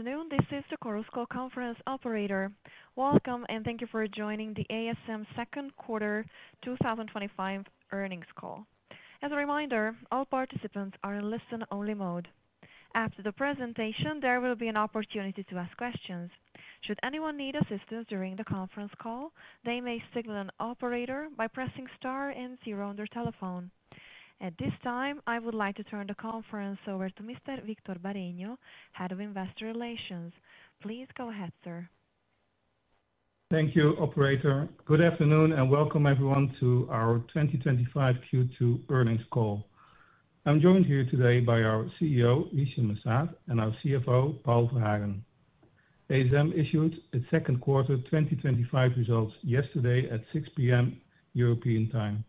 Afternoon, this is the Chorus Call conference operator. Welcome, and thank you for joining the ASM second quarter 2025 earnings call. As a reminder, all participants are in listen-only mode. After the presentation, there will be an opportunity to ask questions. Should anyone need assistance during the conference call, they may signal an operator by pressing star and zero on their telephone. At this time, I would like to turn the conference over to Mr. Victor Bareño, Head of Investor Relations. Please go ahead, sir. Thank you, Operator. Good afternoon and welcome, everyone, to our 2025 Q2 earnings call. I'm joined here today by our CEO, Hichem M'Saad, and our CFO, Paul Verhagen. ASM issued its second quarter 2025 results yesterday at 6:00 P.M. European time.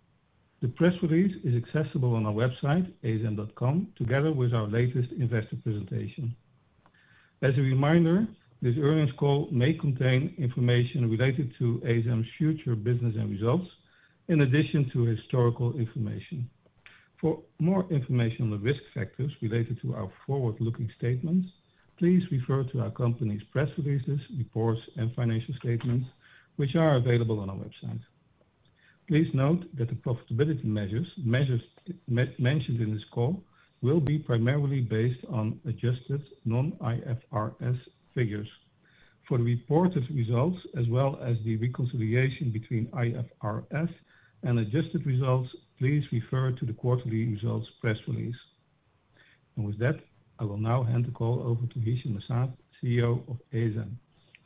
The press release is accessible on our website, asm.com, together with our latest investor presentation. As a reminder, this earnings call may contain information related to ASM's future business and results, in addition to historical information. For more information on the risk factors related to our forward-looking statements, please refer to our company's press releases, reports, and financial statements, which are available on our website. Please note that the profitability measures mentioned in this call will be primarily based on adjusted non-IFRS figures. For the reported results, as well as the reconciliation between IFRS and adjusted results, please refer to the quarterly results press release. I will now hand the call over to Hichem M'Saad, CEO of ASM.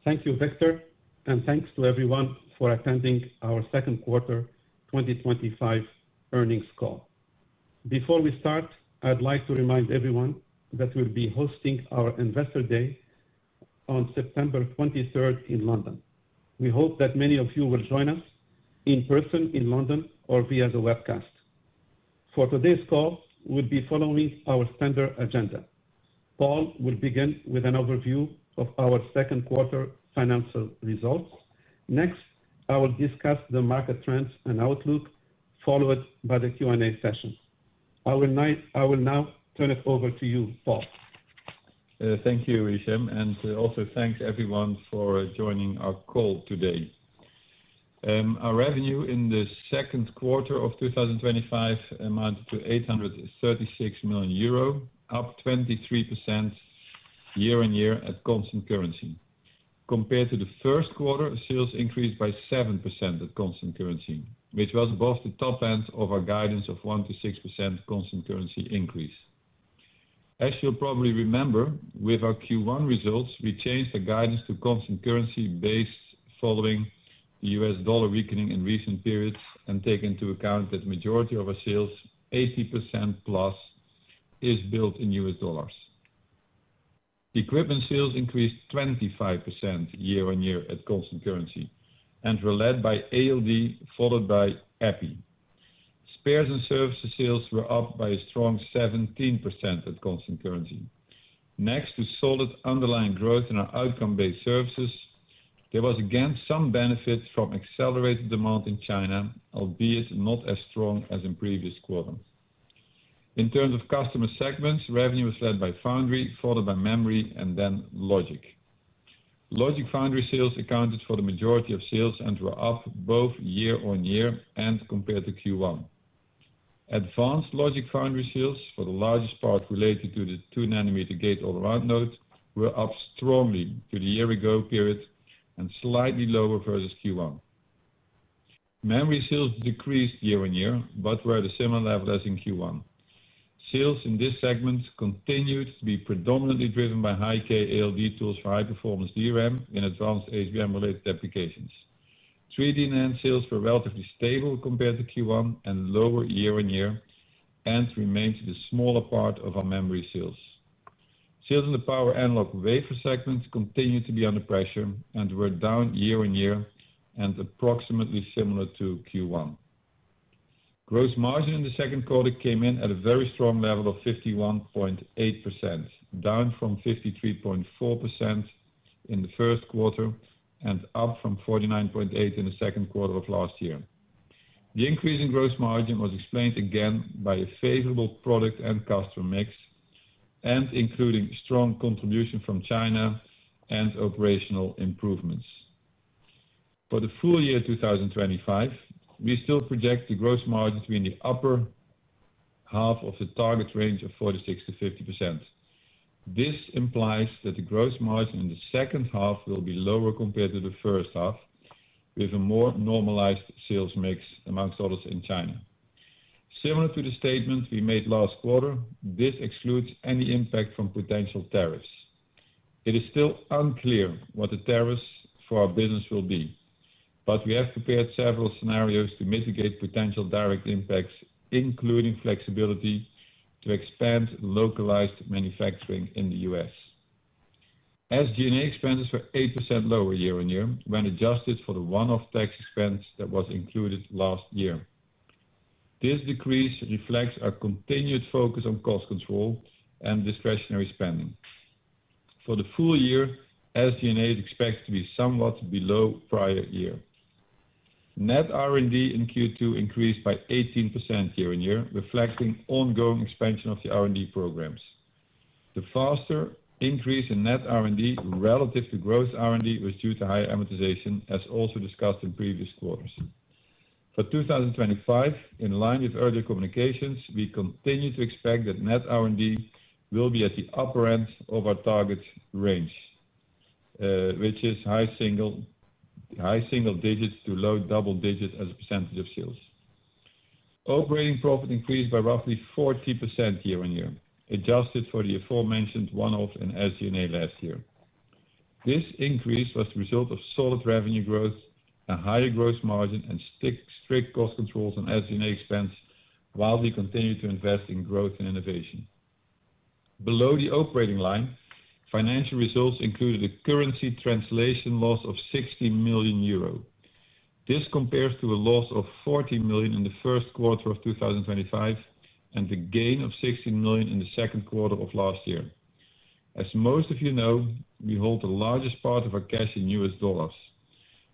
Thank you, Victor, and thanks to everyone for attending our second quarter 2025 earnings call. Before we start, I'd like to remind everyone that we'll be hosting our Investor Day on September 23rd in London. We hope that many of you will join us in person in London or via the webcast. For today's call, we'll be following our standard agenda. Paul will begin with an overview of our second quarter financial results. Next, I will discuss the market trends and outlook, followed by the Q&A session. I will now turn it over to you, Paul. Thank you, Hichem, and also thanks everyone for joining our call today. Our revenue in the second quarter of 2025 amounted to 836 million euro, up 23% year-on-year at constant currency. Compared to the first quarter, sales increased by 7% at constant currency, which was above the top end of our guidance of 1%-6% constant currency increase. As you'll probably remember, with our Q1 results, we changed our guidance to constant currency based following the U.S. dollar weakening in recent periods and taking into account that the majority of our sales, 80% plus, is billed in U.S. dollars. Equipment sales increased 25% year-on-year at constant currency and were led by ALD, followed by Epi. Spares & Services sales were up by a strong 17% at constant currency. Next to solid underlying growth in our outcome-based services, there was again some benefit from accelerated demand in China, albeit not as strong as in previous quarters. In terms of customer segments, revenue was led by foundry, followed by memory, and then logic. Logic foundry sales accounted for the majority of sales and were up both year-on-year and compared to Q1. Advanced logic foundry sales, for the largest part related to the 2-nanometer gate-all-around node, were up strongly to the year-ago period and slightly lower versus Q1. Memory sales decreased year-on-year but were at a similar level as in Q1. Sales in this segment continued to be predominantly driven by high-k ALD tools for high-performance DRAM in advanced HBM-related applications. 3D NAND sales were relatively stable compared to Q1 and lower year-on-year and remained the smaller part of our memory sales. Sales in the power analog wafer segment continued to be under pressure and were down year-on-year and approximately similar to Q1. Gross margin in the second quarter came in at a very strong level of 51.8%, down from 53.4% in the first quarter and up from 49.8% in the second quarter of last year. The increase in gross margin was explained again by a favorable product and customer mix and including strong contribution from China and operational improvements. For the full year 2025, we still project the gross margin to be in the upper half of the target range of 46%-50%. This implies that the gross margin in the second half will be lower compared to the first half, with a more normalized sales mix amongst others in China. Similar to the statement we made last quarter, this excludes any impact from potential tariffs. It is still unclear what the tariffs for our business will be, but we have prepared several scenarios to mitigate potential direct impacts, including flexibility to expand localized manufacturing in the U.S.. SG&A expenses were 8% lower year-on-year when adjusted for the one-off tax expense that was included last year. This decrease reflects our continued focus on cost control and discretionary spending. For the full year, SG&A is expected to be somewhat below prior year. Net R&D in Q2 increased by 18% year-on-year, reflecting ongoing expansion of the R&D programs. The faster increase in net R&D relative to gross R&D was due to higher amortization, as also discussed in previous quarters. For 2025, in line with earlier communications, we continue to expect that net R&D will be at the upper end of our target range, which is high single-digits to low double-digits as a percentage of sales. Operating profit increased by roughly 40% year-on-year, adjusted for the aforementioned one-off in SG&A last year. This increase was the result of solid revenue growth, a higher gross margin, and strict cost controls on SG&A expense, while we continue to invest in growth and innovation. Below the operating line, financial results included a currency translation loss of 60 million euro. This compares to a loss of 40 million in the first quarter of 2025 and the gain of 60 million in the second quarter of last year. As most of you know, we hold the largest part of our cash in U.S. dollars.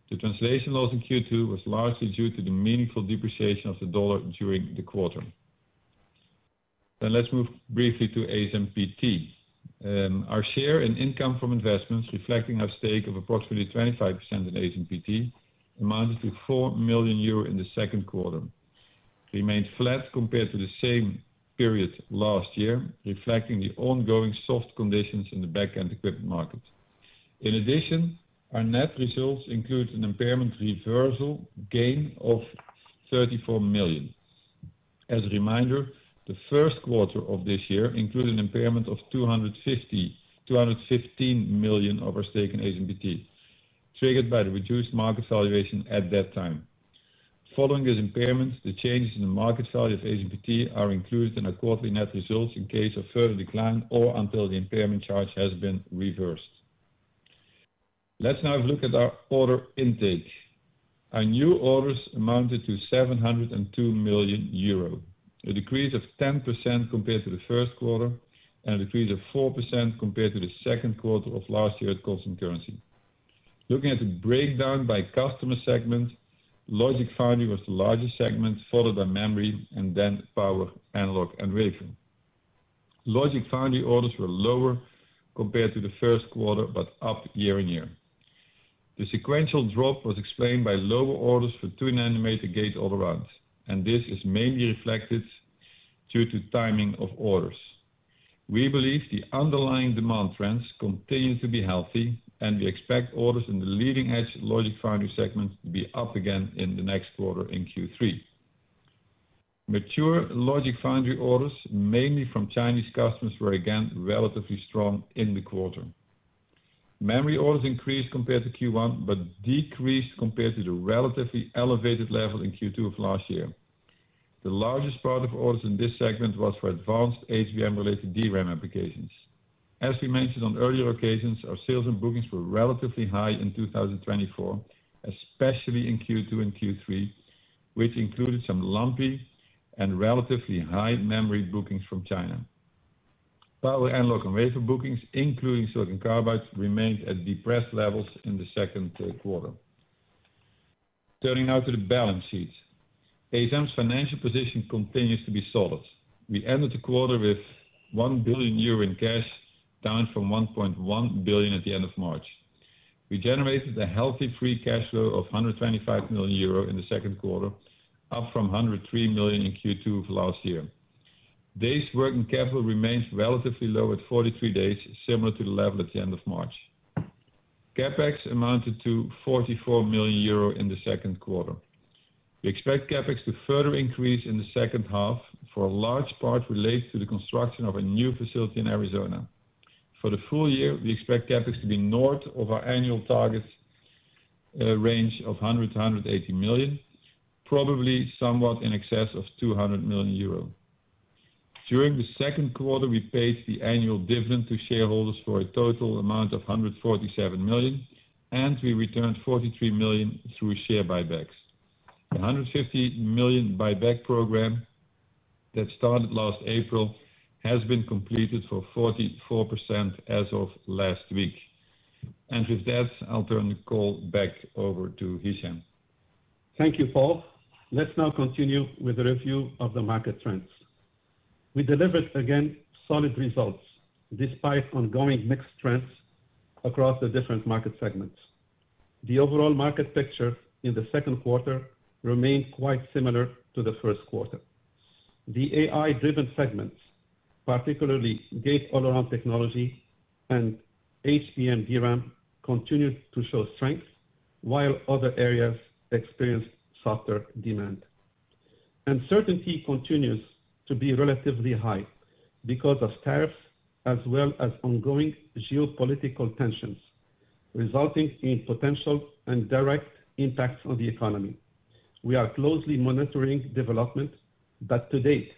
The translation loss in Q2 was largely due to the meaningful depreciation of the dollar during the quarter. Let's move briefly to ASMPT. Our share in income from investments, reflecting our stake of approximately 25% in ASMPT, amounted to 4 million euro in the second quarter. It remained flat compared to the same period last year, reflecting the ongoing soft conditions in the backend equipment market. In addition, our net results include an impairment reversal gain of 34 million. As a reminder, the first quarter of this year included an impairment of 215 million of our stake in ASMPT, triggered by the reduced market valuation at that time. Following these impairments, the changes in the market value of ASMPT are included in our quarterly net results in case of further decline or until the impairment charge has been reversed. Let's now look at our order intake. Our new orders amounted to 702 million euro, a decrease of 10% compared to the first quarter and a decrease of 4% compared to the second quarter of last year at constant currency. Looking at the breakdown by customer segment, logic foundry was the largest segment, followed by memory and then power analog and wafer. Logic foundry orders were lower compared to the first quarter but up year-on-year. The sequential drop was explained by lower orders for 2-nanometer gate-all-around, and this is mainly reflected due to timing of orders. We believe the underlying demand trends continue to be healthy, and we expect orders in the leading-edge logic foundry segment to be up again in the next quarter in Q3. Mature logic foundry orders, mainly from Chinese customers, were again relatively strong in the quarter. Memory orders increased compared to Q1 but decreased compared to the relatively elevated level in Q2 of last year. The largest part of orders in this segment was for advanced HBM-related DRAM applications. As we mentioned on earlier occasions, our sales and bookings were relatively high in 2024, especially in Q2 and Q3, which included some lumpy and relatively high memory bookings from China. Power analog and wafer bookings, including silicon carbide, remained at depressed levels in the second quarter. Turning now to the balance sheet, ASM's financial position continues to be solid. We ended the quarter with 1 billion euro in cash, down from 1.1 billion at the end of March. We generated a healthy free cash flow of 125 million euro in the second quarter, up from 103 million in Q2 of last year. Days' working capital remains relatively low at 43 days, similar to the level at the end of March. CapEx amounted to 44 million euro in the second quarter. We expect CapEx to further increase in the second half, for a large part related to the construction of a new facility in Arizona. For the full year, we expect CapEx to be north of our annual target. Range of 100 million-180 million, probably somewhat in excess of 200 million euro. During the second quarter, we paid the annual dividend to shareholders for a total amount of 147 million, and we returned 43 million through share buybacks. The 150 million buyback program that started last April has been completed for 44% as of last week. With that, I'll turn the call back over to Hichem. Thank you, Paul. Let's now continue with the review of the market trends. We delivered again solid results despite ongoing mixed trends across the different market segments. The overall market picture in the second quarter remained quite similar to the first quarter. The AI-driven segments, particularly gate-all-around technology and HBM DRAM, continued to show strength, while other areas experienced softer demand. Uncertainty continues to be relatively high because of tariffs, as well as ongoing geopolitical tensions, resulting in potential and direct impacts on the economy. We are closely monitoring development, but to date,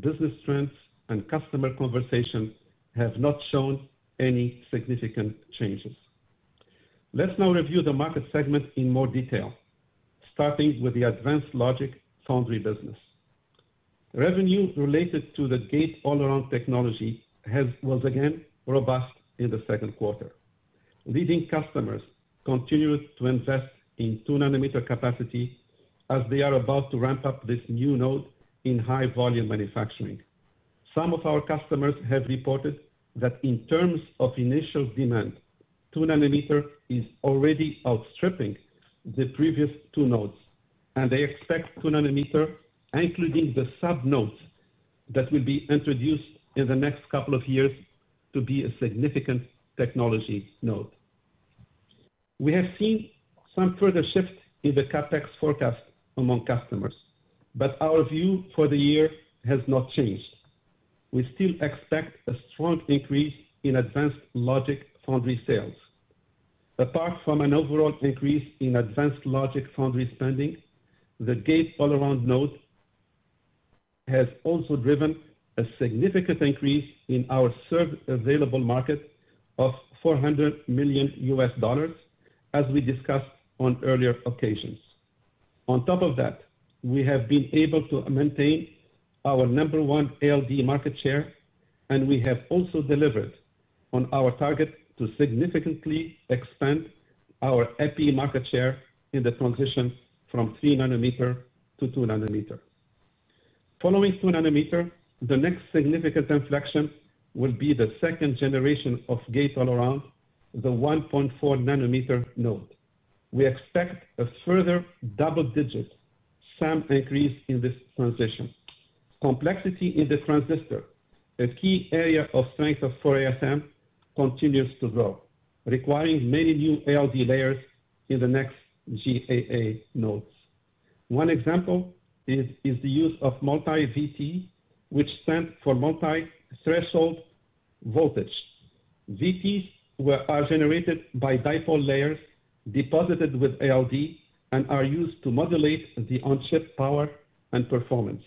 business trends and customer conversation have not shown any significant changes. Let's now review the market segment in more detail, starting with the advanced logic foundry business. Revenue related to the gate-all-around technology was again robust in the second quarter. Leading customers continued to invest in 2-nanometer capacity as they are about to ramp up this new node in high-volume manufacturing. Some of our customers have reported that in terms of initial demand, 2-nanometer is already outstripping the previous two nodes, and they expect 2-nanometer, including the sub-nodes that will be introduced in the next couple of years, to be a significant technology node. We have seen some further shift in the CapEx forecast among customers, but our view for the year has not changed. We still expect a strong increase in advanced logic foundry sales. Apart from an overall increase in advanced logic foundry spending, the gate-all-around node has also driven a significant increase in our serve-available market of $400 million U.S. dollars, as we discussed on earlier occasions. On top of that, we have been able to maintain our number one ALD market share, and we have also delivered on our target to significantly expand our Epi market share in the transition from 3-nanometer to 2-nanometer. Following 2-nanometer, the next significant inflection will be the second generation of gate-all-around, the 1.4-nanometer node. We expect a further double-digit SAM increase in this transition. Complexity in the transistor, a key area of strength of ASM, continues to grow, requiring many new ALD layers in the next GAA nodes. One example is the use of multi-VT, which stands for multi-threshold voltage. VTs are generated by dipole layers deposited with ALD and are used to modulate the on-chip power and performance.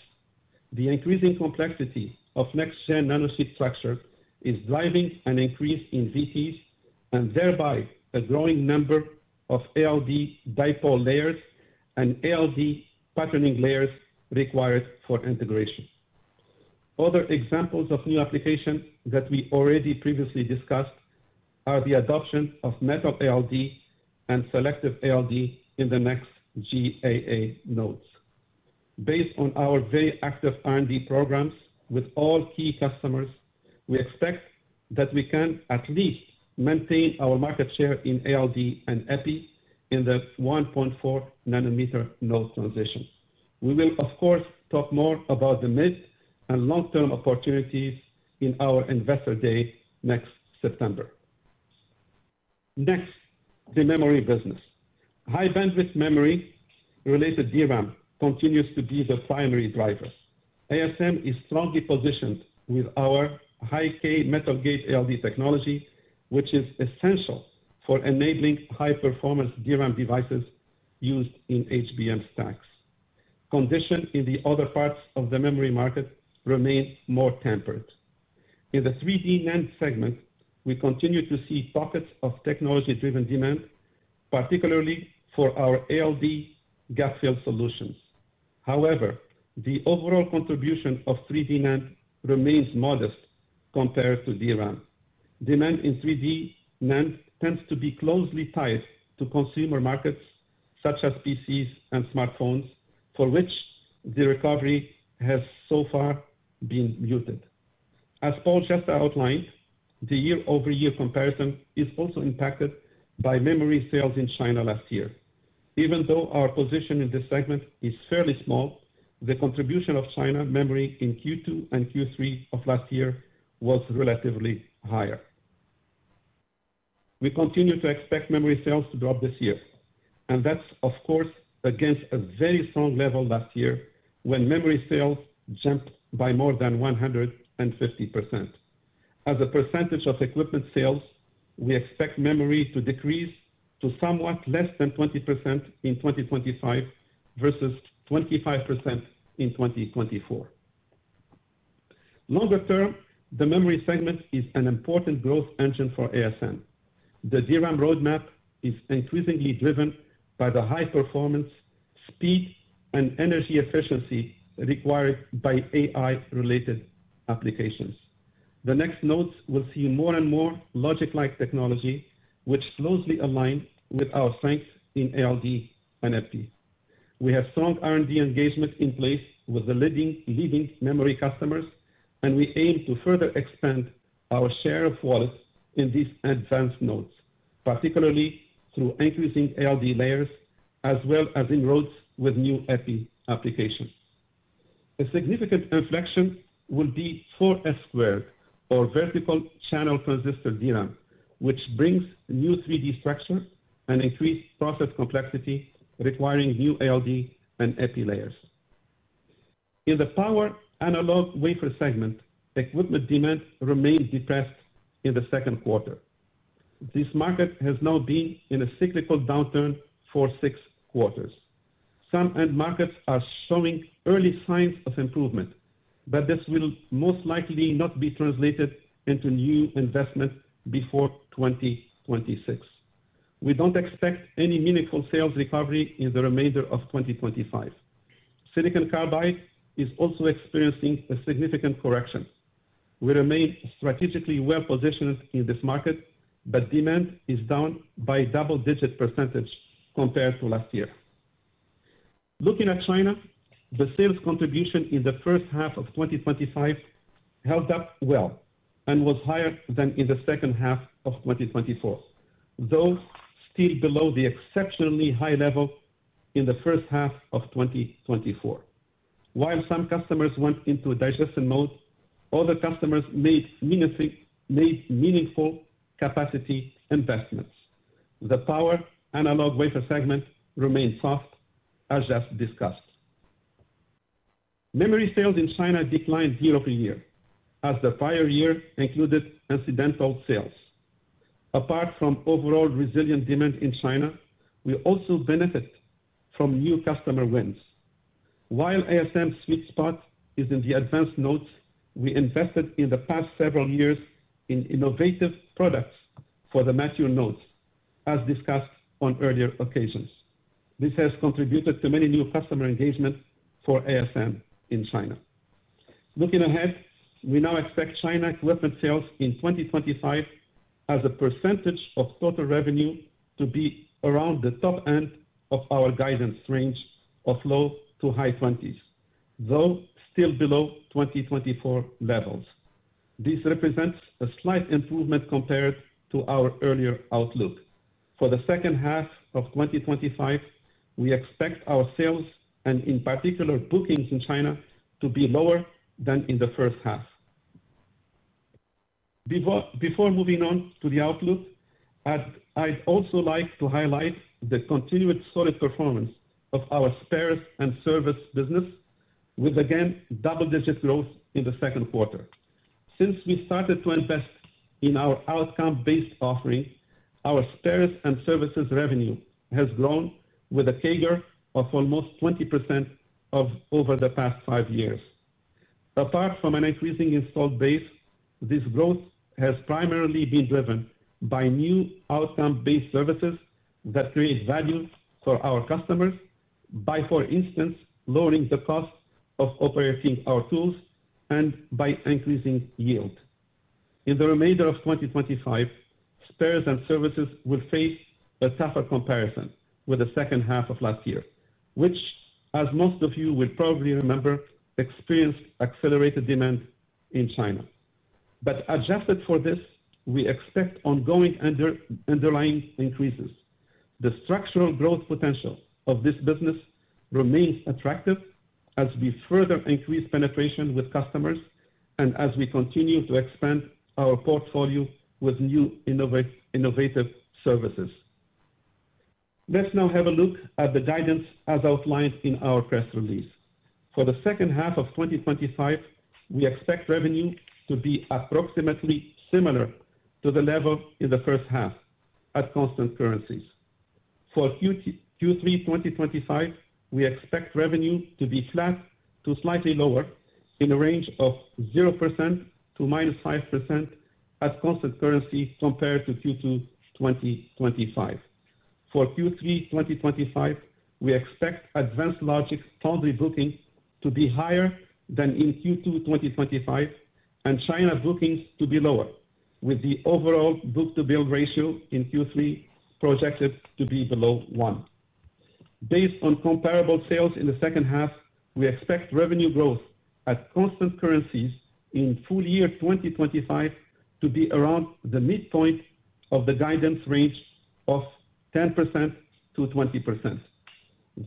The increasing complexity of next-gen nanosheet structures is driving an increase in VTs and thereby a growing number of ALD dipole layers and ALD patterning layers required for integration. Other examples of new applications that we already previously discussed are the adoption of metal ALD and selective ALD in the next GAA nodes. Based on our very active R&D programs with all key customers, we expect that we can at least maintain our market share in ALD and Epi in the 1.4-nanometer node transition. We will, of course, talk more about the mid and long-term opportunities in our investor day next September. Next, the memory business. High-bandwidth memory-related DRAM continues to be the primary driver. ASM is strongly positioned with our high-k metal gate ALD technology, which is essential for enabling high-performance DRAM devices used in HBM stacks. Conditions in the other parts of the memory market remain more tempered. In the 3D NAND segment, we continue to see pockets of technology-driven demand, particularly for our ALD gap-fill solutions. However, the overall contribution of 3D NAND remains modest compared to DRAM. Demand in 3D NAND tends to be closely tied to consumer markets such as PCs and smartphones, for which the recovery has so far been muted. As Paul just outlined, the year-over-year comparison is also impacted by memory sales in China last year. Even though our position in this segment is fairly small, the contribution of China memory in Q2 and Q3 of last year was relatively higher. We continue to expect memory sales to drop this year, and that's, of course, against a very strong level last year when memory sales jumped by more than 150%. As a percentage of equipment sales, we expect memory to decrease to somewhat less than 20% in 2025 versus 25% in 2024. Longer term, the memory segment is an important growth engine for ASM. The DRAM roadmap is increasingly driven by the high performance, speed, and energy efficiency required by AI-related applications. The next nodes will see more and more logic-like technology, which closely aligns with our strength in ALD and Epi. We have strong R&D engagement in place with the leading memory customers, and we aim to further expand our share of wallet in these advanced nodes, particularly through increasing ALD layers as well as in nodes with new Epi applications. A significant inflection will be 4S squared or vertical channel transistor DRAM, which brings new 3D structure and increased process complexity requiring new ALD and Epi layers. In the power analog wafer segment, equipment demand remains depressed in the second quarter. This market has now been in a cyclical downturn for six quarters. Some end markets are showing early signs of improvement, but this will most likely not be translated into new investment before 2026. We do not expect any meaningful sales recovery in the remainder of 2025. Silicon carbide is also experiencing a significant correction. We remain strategically well-positioned in this market, but demand is down by a double-digit percentage compared to last year. Looking at China, the sales contribution in the first half of 2025 held up well and was higher than in the second half of 2024, though still below the exceptionally high level in the first half of 2024. While some customers went into digestion mode, other customers made meaningful capacity investments. The power analog wafer segment remained soft, as just discussed. Memory sales in China declined year-over-year, as the prior year included incidental sales. Apart from overall resilient demand in China, we also benefit from new customer wins. While ASM's sweet spot is in the advanced nodes, we invested in the past several years in innovative products for the mature nodes, as discussed on earlier occasions. This has contributed to many new customer engagements for ASM in China. Looking ahead, we now expect China equipment sales in 2025 as a percentage of total revenue to be around the top end of our guidance range of low to high 20s, though still below 2024 levels. This represents a slight improvement compared to our earlier outlook. For the second half of 2025, we expect our sales and, in particular, bookings in China to be lower than in the first half. Before moving on to the outlook, I'd also like to highlight the continued solid performance of our spares and service business, with again double-digit growth in the second quarter. Since we started to invest in our outcome-based offering, our spares and services revenue has grown with a CAGR of almost 20% over the past five years. Apart from an increasing installed base, this growth has primarily been driven by new outcome-based services that create value for our customers by, for instance, lowering the cost of operating our tools and by increasing yield. In the remainder of 2025, spares and services will face a tougher comparison with the second half of last year, which, as most of you will probably remember, experienced accelerated demand in China. Adjusted for this, we expect ongoing underlying increases. The structural growth potential of this business remains attractive as we further increase penetration with customers and as we continue to expand our portfolio with new innovative services. Let's now have a look at the guidance as outlined in our press release. For the second half of 2025, we expect revenue to be approximately similar to the level in the first half at constant currencies. For Q3 2025, we expect revenue to be flat to slightly lower in a range of 0% to -5% at constant currency compared to Q2 2025. For Q3 2025, we expect advanced logic foundry booking to be higher than in Q2 2025 and China bookings to be lower, with the overall book-to-build ratio in Q3 projected to be below one. Based on comparable sales in the second half, we expect revenue growth at constant currencies in full year 2025 to be around the midpoint of the guidance range of 10%-20%.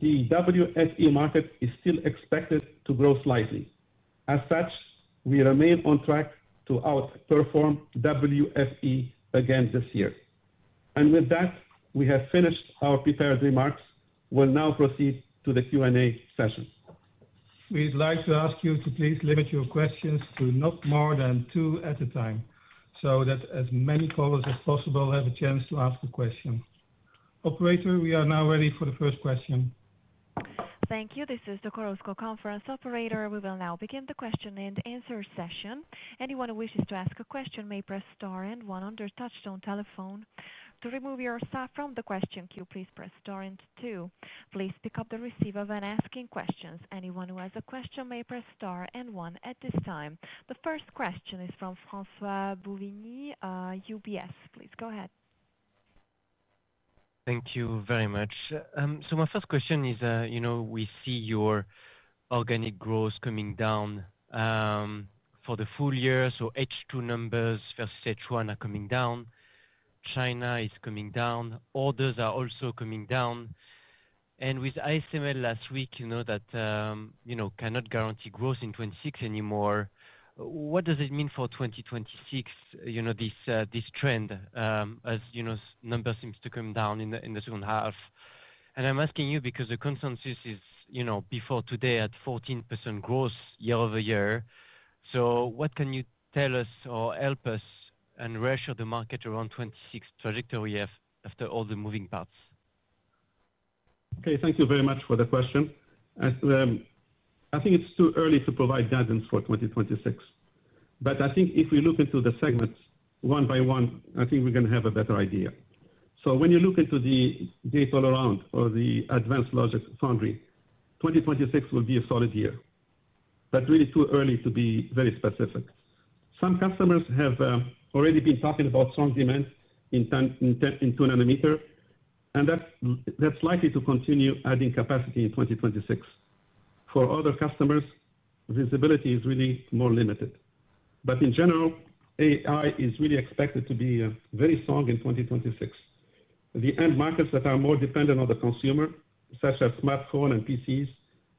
The WFE market is still expected to grow slightly. As such, we remain on track to outperform WFE again this year. With that, we have finished our prepared remarks. We'll now proceed to the Q&A session. We'd like to ask you to please limit your questions to not more than two at a time so that as many callers as possible have a chance to ask a question. Operator, we are now ready for the first question. Thank you. This is the Chorus Call conference operator. We will now begin the question-and-answer session. Anyone who wishes to ask a question may press star and one on your touch-tone telephone. To remove yourself from the question queue, please press star and two. Please pick up the receiver when asking questions. Anyone who has a question may press star and one at this time. The first question is from François Bouvignies, UBS. Please go ahead. Thank you very much. So my first question is, you know, we see your organic growth coming down for the full year. So H2 numbers versus H1 are coming down. China is coming down. Orders are also coming down. And with ASML last week, you know, that, you know, cannot guarantee growth in 2026 anymore. What does it mean for 2026, you know, this trend as, you know, numbers seem to come down in the second half? I am asking you because the consensus is, you know, before today at 14% growth year-over-year. What can you tell us or help us and reassure the market around 2026 trajectory after all the moving parts? Okay, thank you very much for the question. I think it is too early to provide guidance for 2026. I think if we look into the segments one by one, we are going to have a better idea. When you look into the data all around or the advanced logic foundry, 2026 will be a solid year, but really too early to be very specific. Some customers have already been talking about strong demand in 2-nanometer, and that is likely to continue adding capacity in 2026. For other customers, visibility is really more limited. In general, AI is really expected to be very strong in 2026. The end markets that are more dependent on the consumer, such as smartphones and PCs,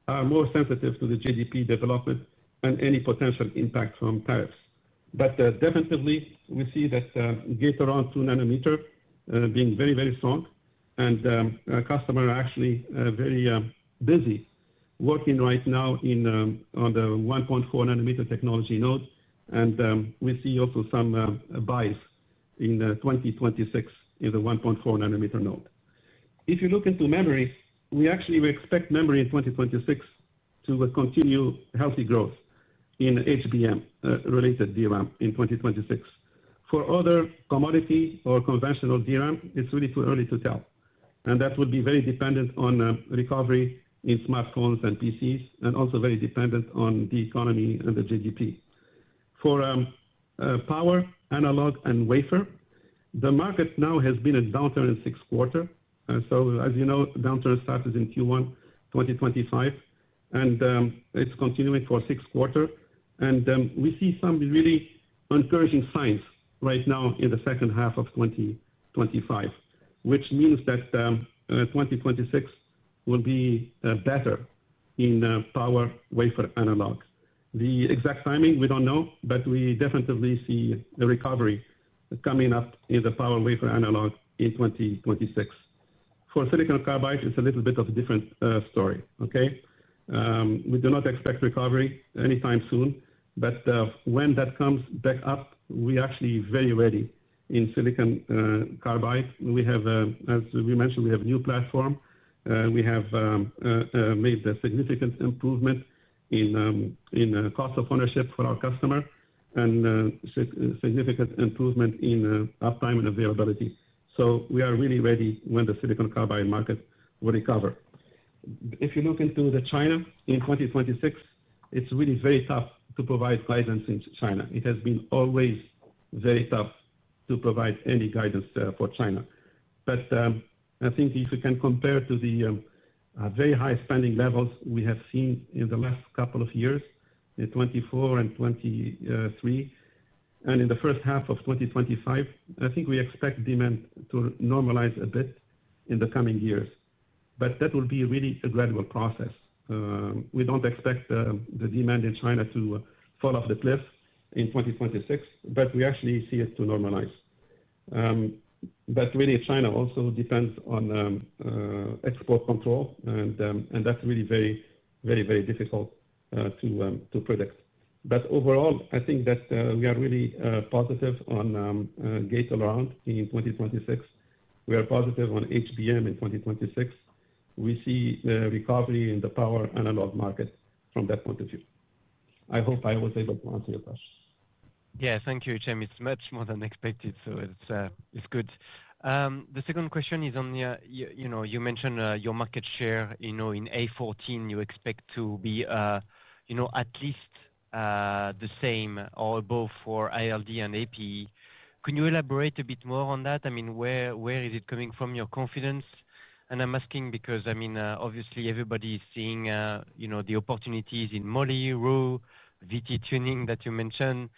are more sensitive to the GDP development and any potential impact from tariffs. We definitely see that gate-all-around 2-nanometer being very, very strong, and customers are actually very busy working right now on the 1.4-nanometer technology node. We see also some buys in 2026 in the 1.4-nanometer node. If you look into memory, we actually expect memory in 2026 to continue healthy growth in HBM-related DRAM in 2026. For other commodity or conventional DRAM, it is really too early to tell. That would be very dependent on recovery in smartphones and PCs and also very dependent on the economy and the GDP. For power analog and wafer, the market now has been in downturn in six quarters. As you know, downturn starts in Q1 2025, and it is continuing for six quarters. We see some really encouraging signs right now in the second half of 2025, which means that 2026 will be better in power wafer analog. The exact timing, we do not know, but we definitely see a recovery coming up in the power wafer analog in 2026. For silicon carbide, it is a little bit of a different story. Okay? We do not expect recovery anytime soon, but when that comes back up, we are actually very ready in silicon carbide. We have, as we mentioned, we have a new platform. We have made a significant improvement in cost of ownership for our customer and significant improvement in uptime and availability. We are really ready when the silicon carbide market will recover. If you look into China in 2026, it is really very tough to provide guidance in China. It has been always very tough to provide any guidance for China. I think if we can compare to the very high spending levels we have seen in the last couple of years, in 2024 and 2023, and in the first half of 2025, I think we expect demand to normalize a bit in the coming years. That will be really a gradual process. We do not expect the demand in China to fall off the cliff in 2026, but we actually see it to normalize. Really, China also depends on export control, and that is really very, very, very difficult to predict. Overall, I think that we are really positive on gate-all-around in 2026. We are positive on HBM in 2026. We see the recovery in the power analog market from that point of view. I hope I was able to answer your questions. Yeah, thank you, Hichem. It is much more than expected, so it is good. The second question is on, you know, you mentioned your market share, you know, in A14, you expect to be, you know, at least the same or above for ALD and Epi. Can you elaborate a bit more on that? I mean, where is it coming from, your confidence? I am asking because, I mean, obviously, everybody is seeing, you know, the opportunities in moly, Ru, VT tuning that you mentioned.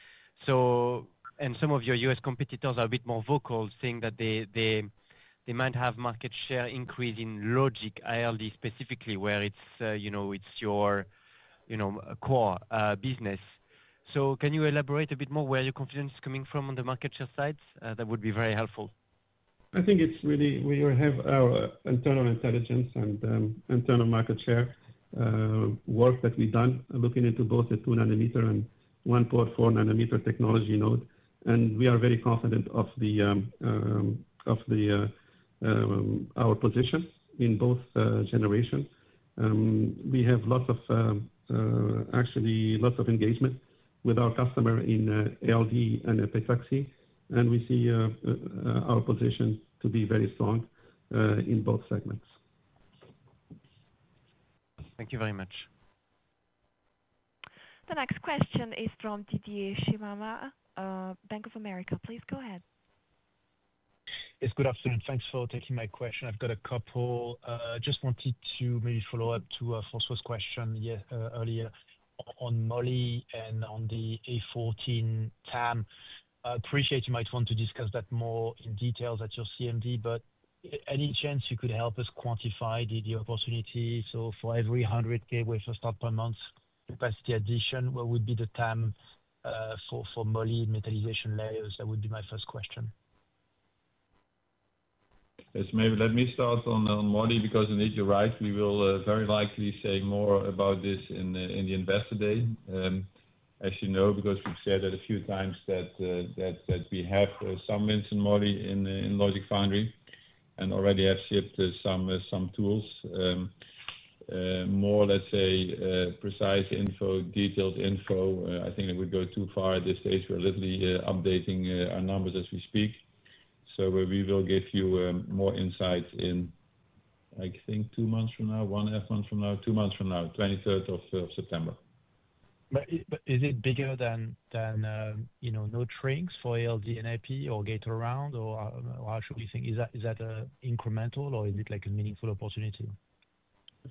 Some of your U.S. competitors are a bit more vocal, saying that they might have market share increase in Logic ALD specifically, where it is, you know, it is your, you know, core business. Can you elaborate a bit more where your confidence is coming from on the market share sides? That would be very helpful. I think it is really we have our internal intelligence and internal market share work that we have done looking into both the 2-nanometer and 1.4-nanometer technology node. We are very confident of our position in both generations. We have lots of, actually lots of engagement with our customer in ALD and Epitaxy, and we see our position to be very strong in both segments. Thank you very much. The next question is from Didier Scemama, Bank of America. Please go ahead. Yes, good afternoon. Thanks for taking my question. I have got a couple. I just wanted to maybe follow up to François's question earlier on moly and on the A14 TAM. Appreciate you might want to discuss that more in detail at your CMD, but any chance you could help us quantify the opportunity? For every 100,000 wafer start per month capacity addition, what would be the TAM for moly metallization layers? That would be my first question. Yes, maybe let me start on moly because indeed you're right. We will very likely say more about this in the investor day. As you know, because we've said it a few times, we have some wins in moly in logic foundry and already have shipped some tools. More, let's say, precise info, detailed info, I think it would go too far at this stage. We're literally updating our numbers as we speak. We will give you more insight in, I think, two months from now, one and a half month from now, two months from now, 23rd of September. Is it bigger than, you know, trends for ALD and Epi or Gate-All-Around, or how should we think? Is that incremental, or is it like a meaningful opportunity?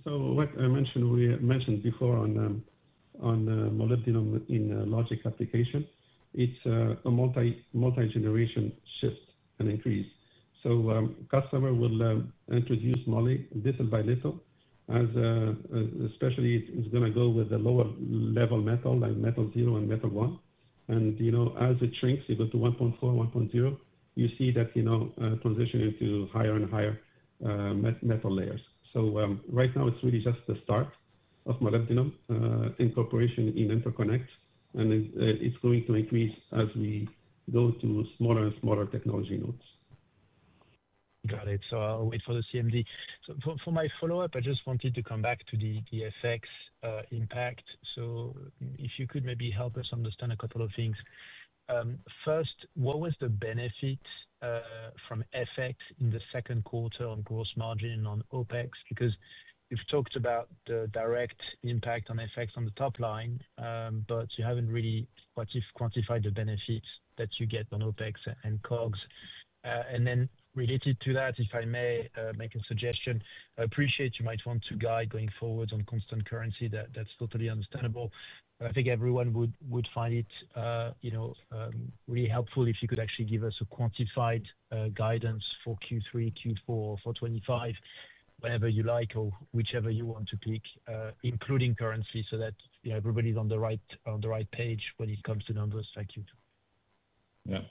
What I mentioned before on molybdenum in logic application, it's a multi-generation shift and increase. Customers will introduce moly little by little as, especially, it's going to go with the lower level metal, like metal zero and metal one. As it shrinks, you go to 1.4, 1.0, you see that transitioning to higher and higher metal layers. Right now, it's really just the start of molybdenum incorporation in interconnect, and it's going to increase as we go to smaller and smaller technology nodes. Got it. I'll wait for the CMD. For my follow-up, I just wanted to come back to the FX impact. If you could maybe help us understand a couple of things. First, what was the benefit from FX in the second quarter on gross margin, on OpEx? Because you've talked about the direct impact on FX on the top line, but you haven't really quantified the benefits that you get on OpEx and COGS. Related to that, if I may make a suggestion, I appreciate you might want to guide going forward on constant currency. That's totally understandable. I think everyone would find it really helpful if you could actually give us a quantified guidance for Q3, Q4, or for 2025, whatever you like or whichever you want to pick, including currency, so that everybody's on the right page when it comes to numbers. Thank you. Yeah.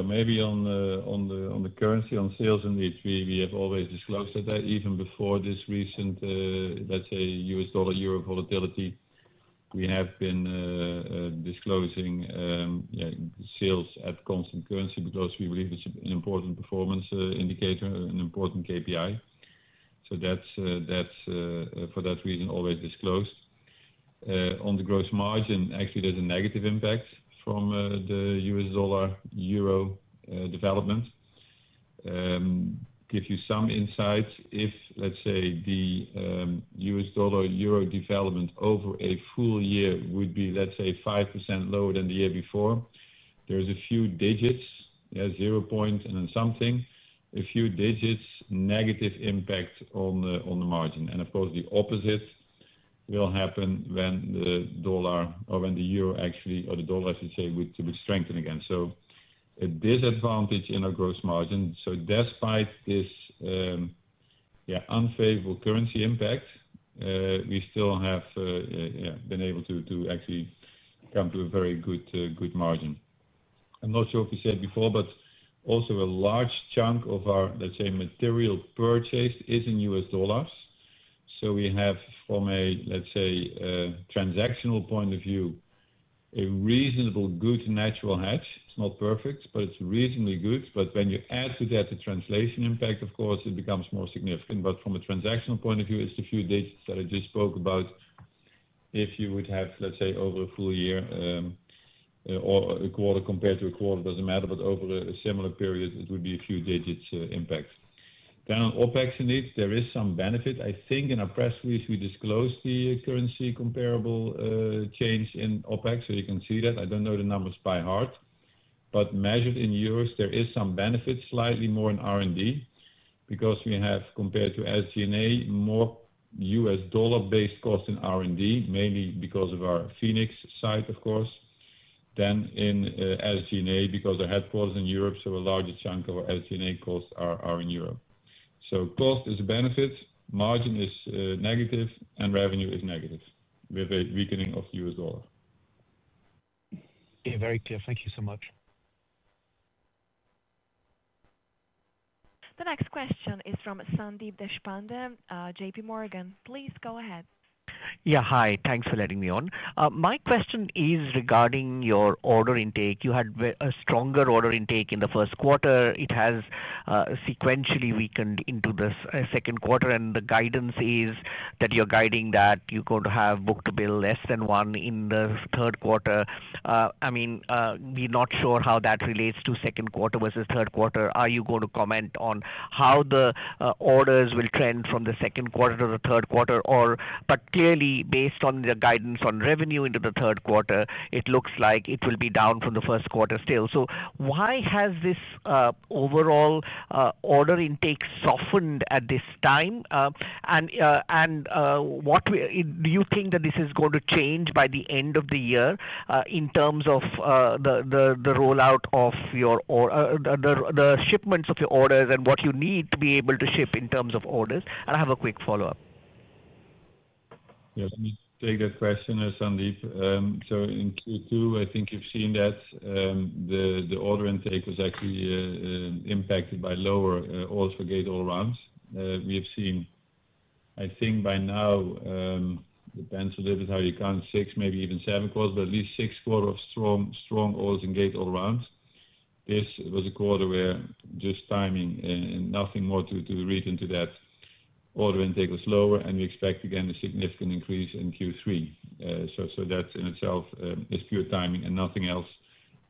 Maybe on the currency, on sales indeed, we have always disclosed that even before this recent, let's say, U.S. dollar, euro volatility, we have been disclosing sales at constant currency because we believe it's an important performance indicator, an important KPI. For that reason, always disclosed. On the gross margin, actually, there's a negative impact from the U.S. dollar, euro development. Give you some insights. If, let's say, the. U.S. dollar, euro development over a full year would be, let's say, 5% lower than the year before, there's a few digits, 0 point and something, a few digits negative impact on the margin. Of course, the opposite will happen when the dollar or when the euro actually, or the dollar, as you say, would strengthen again. A disadvantage in our gross margin. Despite this unfavorable currency impact, we still have been able to actually come to a very good margin. I'm not sure if you said before, but also a large chunk of our, let's say, material purchased is in U.S. dollars. We have, from a, let's say, transactional point of view, a reasonably good natural hedge. It's not perfect, but it's reasonably good. When you add to that the translation impact, of course, it becomes more significant. From a transactional point of view, it's the few digits that I just spoke about. If you would have, let's say, over a full year or a quarter compared to a quarter, it doesn't matter, but over a similar period, it would be a few digits impact. Down OpEx indeed, there is some benefit. I think in our press release, we disclosed the currency comparable change in OpEx, so you can see that. I don't know the numbers by heart, but measured in euros, there is some benefit, slightly more in R&D, because we have, compared to SG&A, more U.S. dollar-based cost in R&D, mainly because of our Phoenix site, of course, than in SG&A because our headquarters in Europe, so a larger chunk of our SG&A costs are in Europe. Cost is a benefit, margin is negative, and revenue is negative with a weakening of the U.S. dollar. Yeah, very clear. Thank you so much. The next question is from Sandeep Deshpande, JPMorgan. Please go ahead. Yeah, hi. Thanks for letting me on. My question is regarding your order intake. You had a stronger order intake in the first quarter. It has sequentially weakened into the second quarter, and the guidance is that you're guiding that you're going to have book to bill less than one in the third quarter. I mean, we're not sure how that relates to second quarter versus third quarter. Are you going to comment on how the orders will trend from the second quarter to the third quarter? Clearly, based on the guidance on revenue into the third quarter, it looks like it will be down from the first quarter still. So, why has this overall order intake suffered at this time, and looking that this is going to change by the end of the year in terms of the shipment of your order that you need be able to ship in terms of orders? I have a quick follow up. Very good questions, Sandeep. So, in Q2, I think you've seen that the order intake was actually impacted by the lower gate-all-around. I think by now, it depends on the six maybe even seven quarter, at least six quarter strong in gate-all-around. This time, nothing more to reason to that. Order intake was lower, and we expect again a significant increase in Q3. So that's in itself a few timing and nothing else.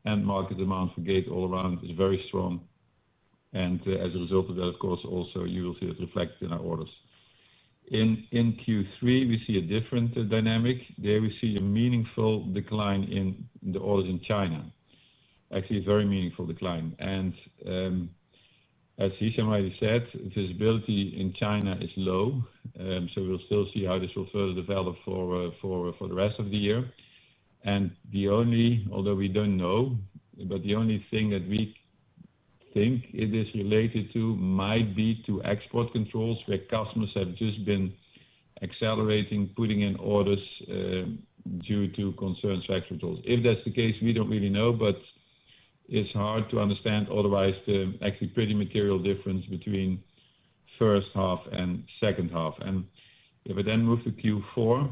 Market demand for gate-all-around is very strong. As a result of that, of course, also you will see it reflected in our orders. In Q3, we see a different dynamic. There we see a meaningful decline in the orders in China. Actually, a very meaningful decline. As Hichem already said, visibility in China is low. We will still see how this will further develop for the rest of the year. The only, although we do not know, but the only thing that we think it is related to might be export controls where customers have just been accelerating, putting in orders due to concerns for export controls. If that is the case, we do not really know, but it is hard to understand otherwise the actually pretty material difference between first half and second half. If I then move to Q4,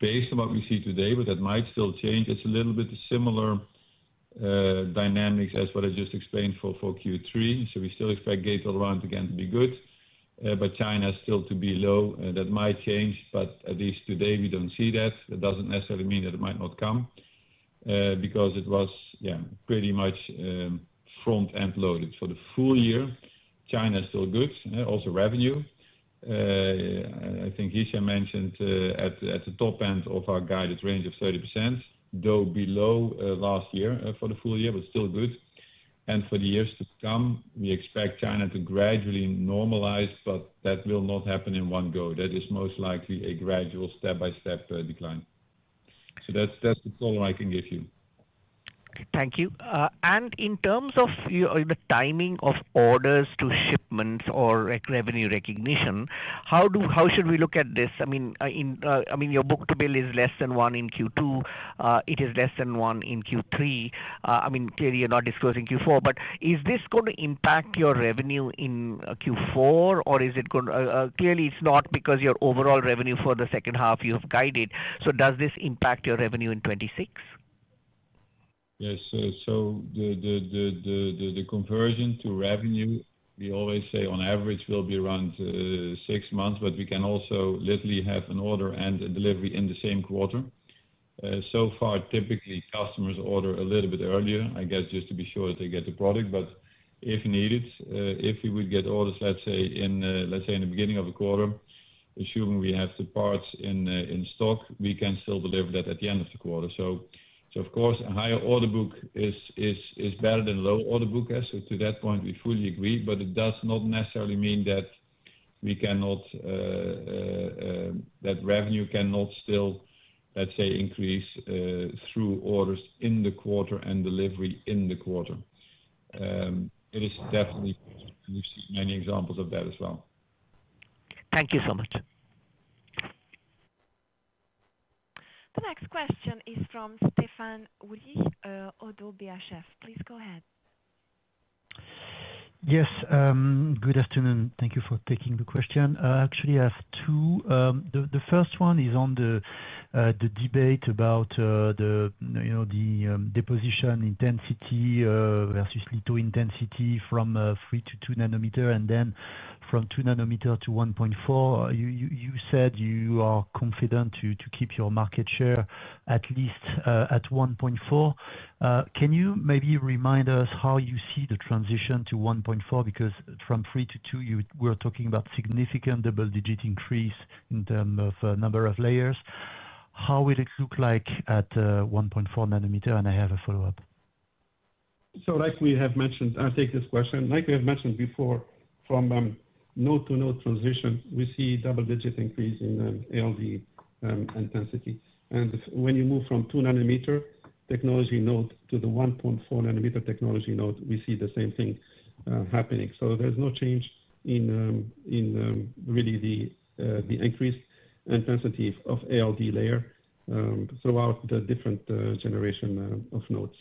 based on what we see today, but that might still change, it is a little bit similar dynamics as what I just explained for Q3. We still expect gate-all-around again to be good, but China is still to be low. That might change, but at least today we do not see that. That does not necessarily mean that it might not come, because it was, yeah, pretty much front-end loaded. For the full year, China is still good. Also revenue. I think Hichem mentioned at the top end of our guided range of 30%, though below last year for the full year, but still good. For the years to come, we expect China to gradually normalize, but that will not happen in one go. That is most likely a gradual step-by-step decline. That is the color I can give you. Thank you. In terms of the timing of orders to shipments or revenue recognition, how should we look at this? I mean, your book to bill is less than one in Q2. It is less than one in Q3. Clearly, you are not disclosing Q4, but is this going to impact your revenue in Q4, or is it going to? Clearly, it is not because your overall revenue for the second half you have guided. Does this impact your revenue in 2026? Yes. The conversion to revenue, we always say on average will be around six months, but we can also literally have an order and a delivery in the same quarter. So far, typically, customers order a little bit earlier, I guess, just to be sure that they get the product. If needed, if we would get orders, let's say, in the beginning of the quarter, assuming we have the parts in stock, we can still deliver that at the end of the quarter. Of course, a higher order book is better than a lower order book. To that point, we fully agree, but it does not necessarily mean that revenue cannot still, let's say, increase through orders in the quarter and delivery in the quarter. It is definitely true. We've seen many examples of that as well. Thank you so much. The next question is from Stéphane Houri, ODDO BHF. Please go ahead. Yes. Good afternoon. Thank you for taking the question. Actually, I have two. The first one is on the debate about the deposition intensity versus litho intensity from 3 to 2 nanometer and then from 2 nanometer to 1.4. You said you are confident to keep your market share at least at 1.4. Can you maybe remind us how you see the transition to 1.4? Because from 3 to 2, you were talking about significant double-digit increase in terms of number of layers. How would it look like at 1.4 nanometer? I have a follow-up. Like we have mentioned, I'll take this question. Like we have mentioned before, from node-to-node transition, we see double-digit increase in ALD intensity. When you move from 2-nanometer technology node to the 1.4-nanometer technology node, we see the same thing happening. There is no change in really the increased intensity of ALD layer throughout the different generation of nodes.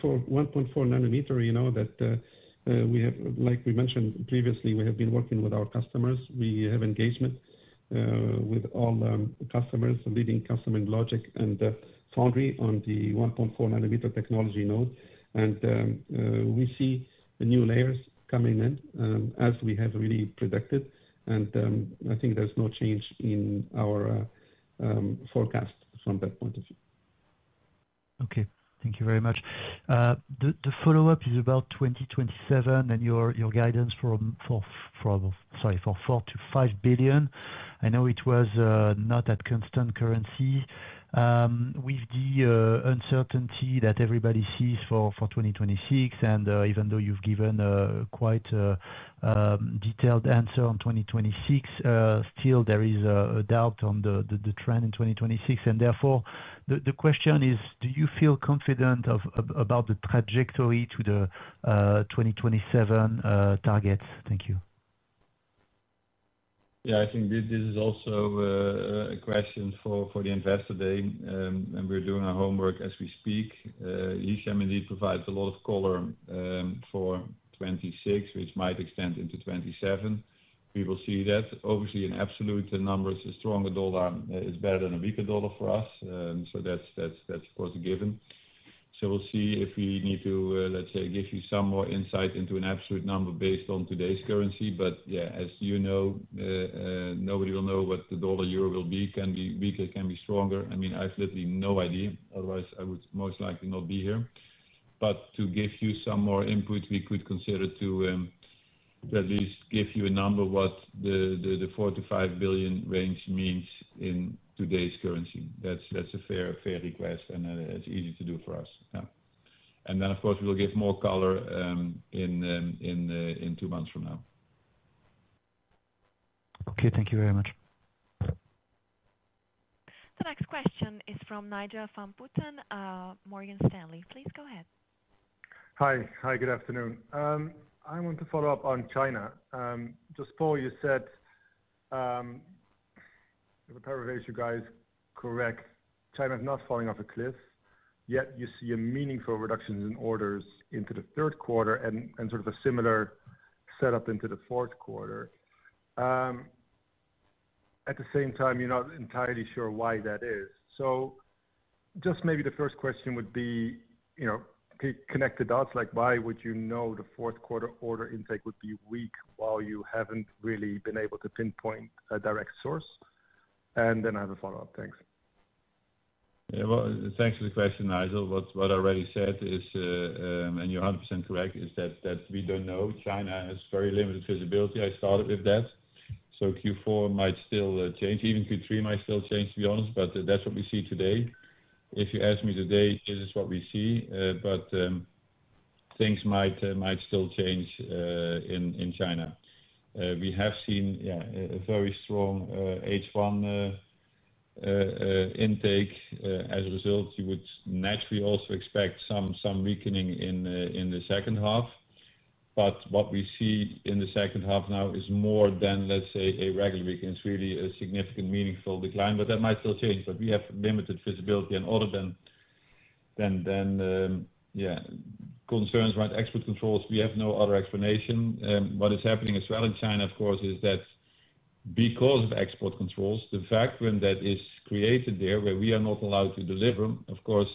For 1.4 nanometer, you know that, like we mentioned previously, we have been working with our customers. We have engagement with all customers, leading customer logic and foundry on the 1.4-nanometer technology node. We see the new layers coming in as we have really predicted. I think there is no change in our forecast from that point of view. Okay. Thank you very much. The follow-up is about 2027 and your guidance for, sorry, for $4 billion-$5 billion. I know it was not at constant currency. With the uncertainty that everybody sees for 2026, and even though you've given a quite detailed answer on 2026, still there is a doubt on the trend in 2026. Therefore, the question is, do you feel confident about the trajectory to the 2027 targets? Thank you. Yeah, I think this is also a question for the investor day. We are doing our homework as we speak. Hichem indeed provides a lot of color for 2026, which might extend into 2027. We will see that. Obviously, in absolute numbers, a stronger dollar is better than a weaker dollar for us. That is, of course, a given. We'll see if we need to, let's say, give you some more insight into an absolute number based on today's currency. Yeah, as you know, nobody will know what the dollar euro will be. Can be weaker, can be stronger. I mean, I have literally no idea. Otherwise, I would most likely not be here. To give you some more input, we could consider to at least give you a number of what the $4 billion-$5 billion range means in today's currency. That's a fair request, and it's easy to do for us. Of course, we'll give more color in two months from now. Thank you very much. The next question is from Nigel van Putten, Morgan Stanley. Please go ahead. Hi. Hi. Good afternoon. I want to follow up on China. Just before, you said, if I paraphrase you guys correct, China is not falling off a cliff, yet you see a meaningful reduction in orders into the third quarter and sort of a similar setup into the fourth quarter. At the same time, you're not entirely sure why that is. Just maybe the first question would be, connect the dots, like why would you know the fourth quarter order intake would be weak while you haven't really been able to pinpoint a direct source? And then I have a follow-up. Thanks. Yeah. Thanks for the question, Nigel. What I already said is, and you're 100% correct, is that we don't know. China has very limited visibility. I started with that. Q4 might still change. Even Q3 might still change, to be honest, but that's what we see today. If you ask me today, this is what we see, but things might still change. In China, we have seen, yeah, a very strong H1 intake. As a result, you would naturally also expect some weakening in the second half. What we see in the second half now is more than, let's say, a regular weakening. It's really a significant, meaningful decline, but that might still change. We have limited visibility and other than, yeah, concerns around export controls, we have no other explanation. What is happening as well in China, of course, is that because of export controls, the fact when that is created there where we are not allowed to deliver, of course,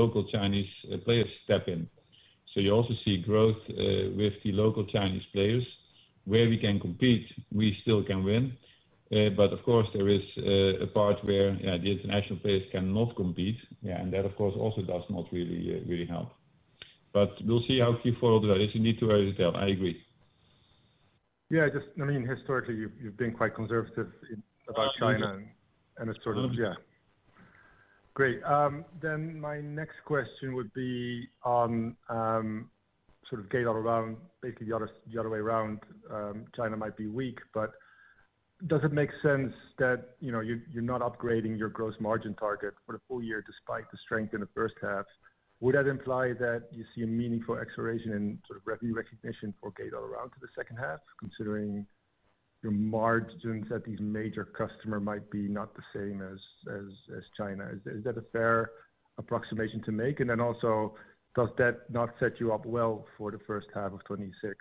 local Chinese players step in. You also see growth with the local Chinese players. Where we can compete, we still can win. Of course, there is a part where, yeah, the international players cannot compete. Yeah, and that, of course, also does not really help. We'll see how Q4 will do. It's indeed too early to tell. I agree. I mean, historically, you've been quite conservative about China. It's sort of, yeah. Great. Then my next question would be on sort of gate-all-around, basically the other way around. China might be weak, but. Does it make sense that you're not upgrading your gross margin target for the full year despite the strength in the first half? Would that imply that you see a meaningful acceleration in sort of revenue recognition for gate-all-around to the second half, considering your margins at these major customers might be not the same as China? Is that a fair approximation to make? Also, does that not set you up well for the first half of 2026,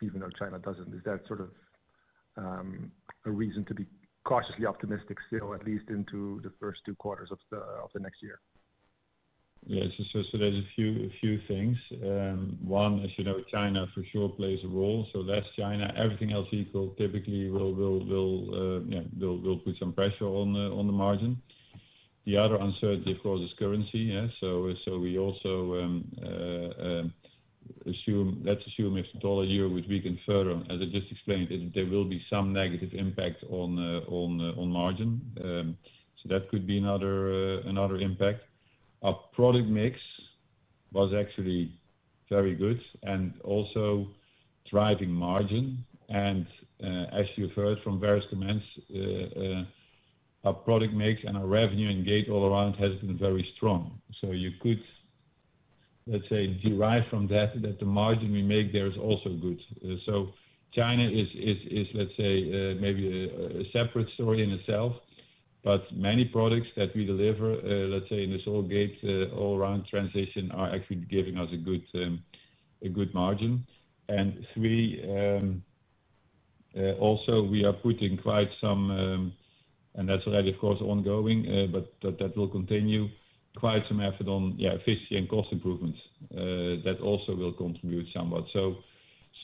even though China doesn't? Is that sort of a reason to be cautiously optimistic still, at least into the first two quarters of the next year? Yes. There are a few things. One, as you know, China for sure plays a role. Less China, everything else equal, typically will put some pressure on the margin. The other uncertainty, of course, is currency. We also assume, let's assume if the dollar euro would weaken further, as I just explained, there will be some negative impact on margin. That could be another impact. Our product mix was actually very good and also driving margin. As you've heard from various comments, our product mix and our revenue in gate-all-around has been very strong. You could, let's say, derive from that that the margin we make there is also good. China is, let's say, maybe a separate story in itself, but many products that we deliver, let's say, in this whole gate-all-around transition are actually giving us a good margin. Also, we are putting quite some, and that's already, of course, ongoing, but that will continue, quite some effort on efficiency and cost improvements that also will contribute somewhat.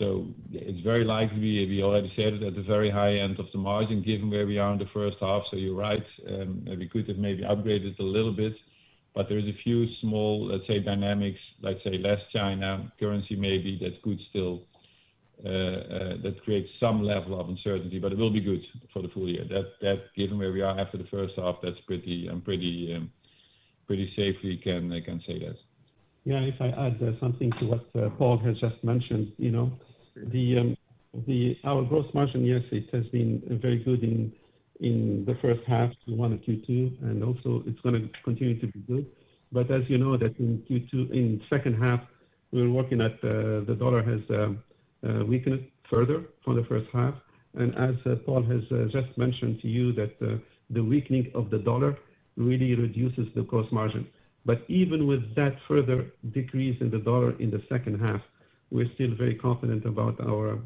It is very likely, we already said it, at the very high end of the margin given where we are in the first half. You're right. We could have maybe upgraded a little bit, but there are a few small, let's say, dynamics, less China, currency maybe, that could still create some level of uncertainty, but it will be good for the full year. Given where we are after the first half, that's pretty safe we can say that. Yeah. If I add something to what Paul has just mentioned. Our gross margin, yes, it has been very good in the first half, Q1 and Q2, and also it's going to continue to be good. As you know, in Q2, in the second half, we're working at the dollar has weakened further from the first half. As Paul has just mentioned to you, the weakening of the dollar really reduces the gross margin. Even with that further decrease in the dollar in the second half, we're still very confident about our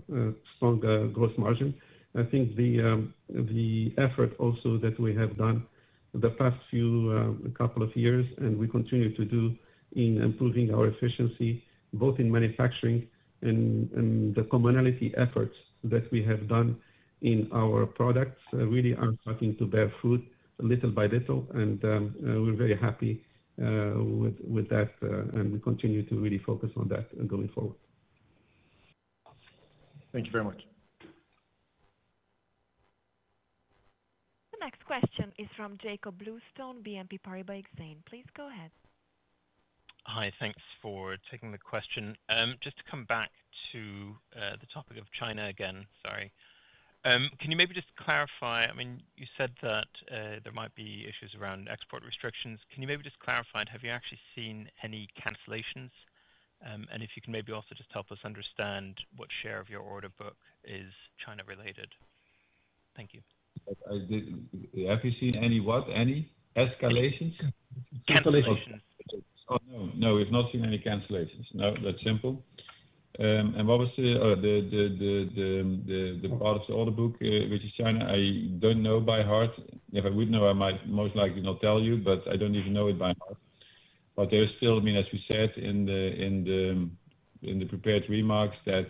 strong gross margin. I think the. Effort also that we have done the past few couple of years and we continue to do in improving our efficiency, both in manufacturing and the commonality efforts that we have done in our products really are starting to bear fruit little by little. We are very happy with that, and we continue to really focus on that going forward. Thank you very much. The next question is from Jakob Bluestone, BNP Paribas Exchange. Please go ahead. Hi. Thanks for taking the question. Just to come back to the topic of China again, sorry. Can you maybe just clarify? I mean, you said that there might be issues around export restrictions. Can you maybe just clarify and have you actually seen any cancellations? And if you can maybe also just help us understand what share of your order book is China-related. Thank you. Have you seen any what? Any escalations? Cancellations. Oh, no. No, we have not seen any cancellations. No, that is simple. And what was the part of the order book which is China? I do not know by heart. If I would know, I might most likely not tell you, but I do not even know it by heart. There is still, I mean, as we said in the prepared remarks, that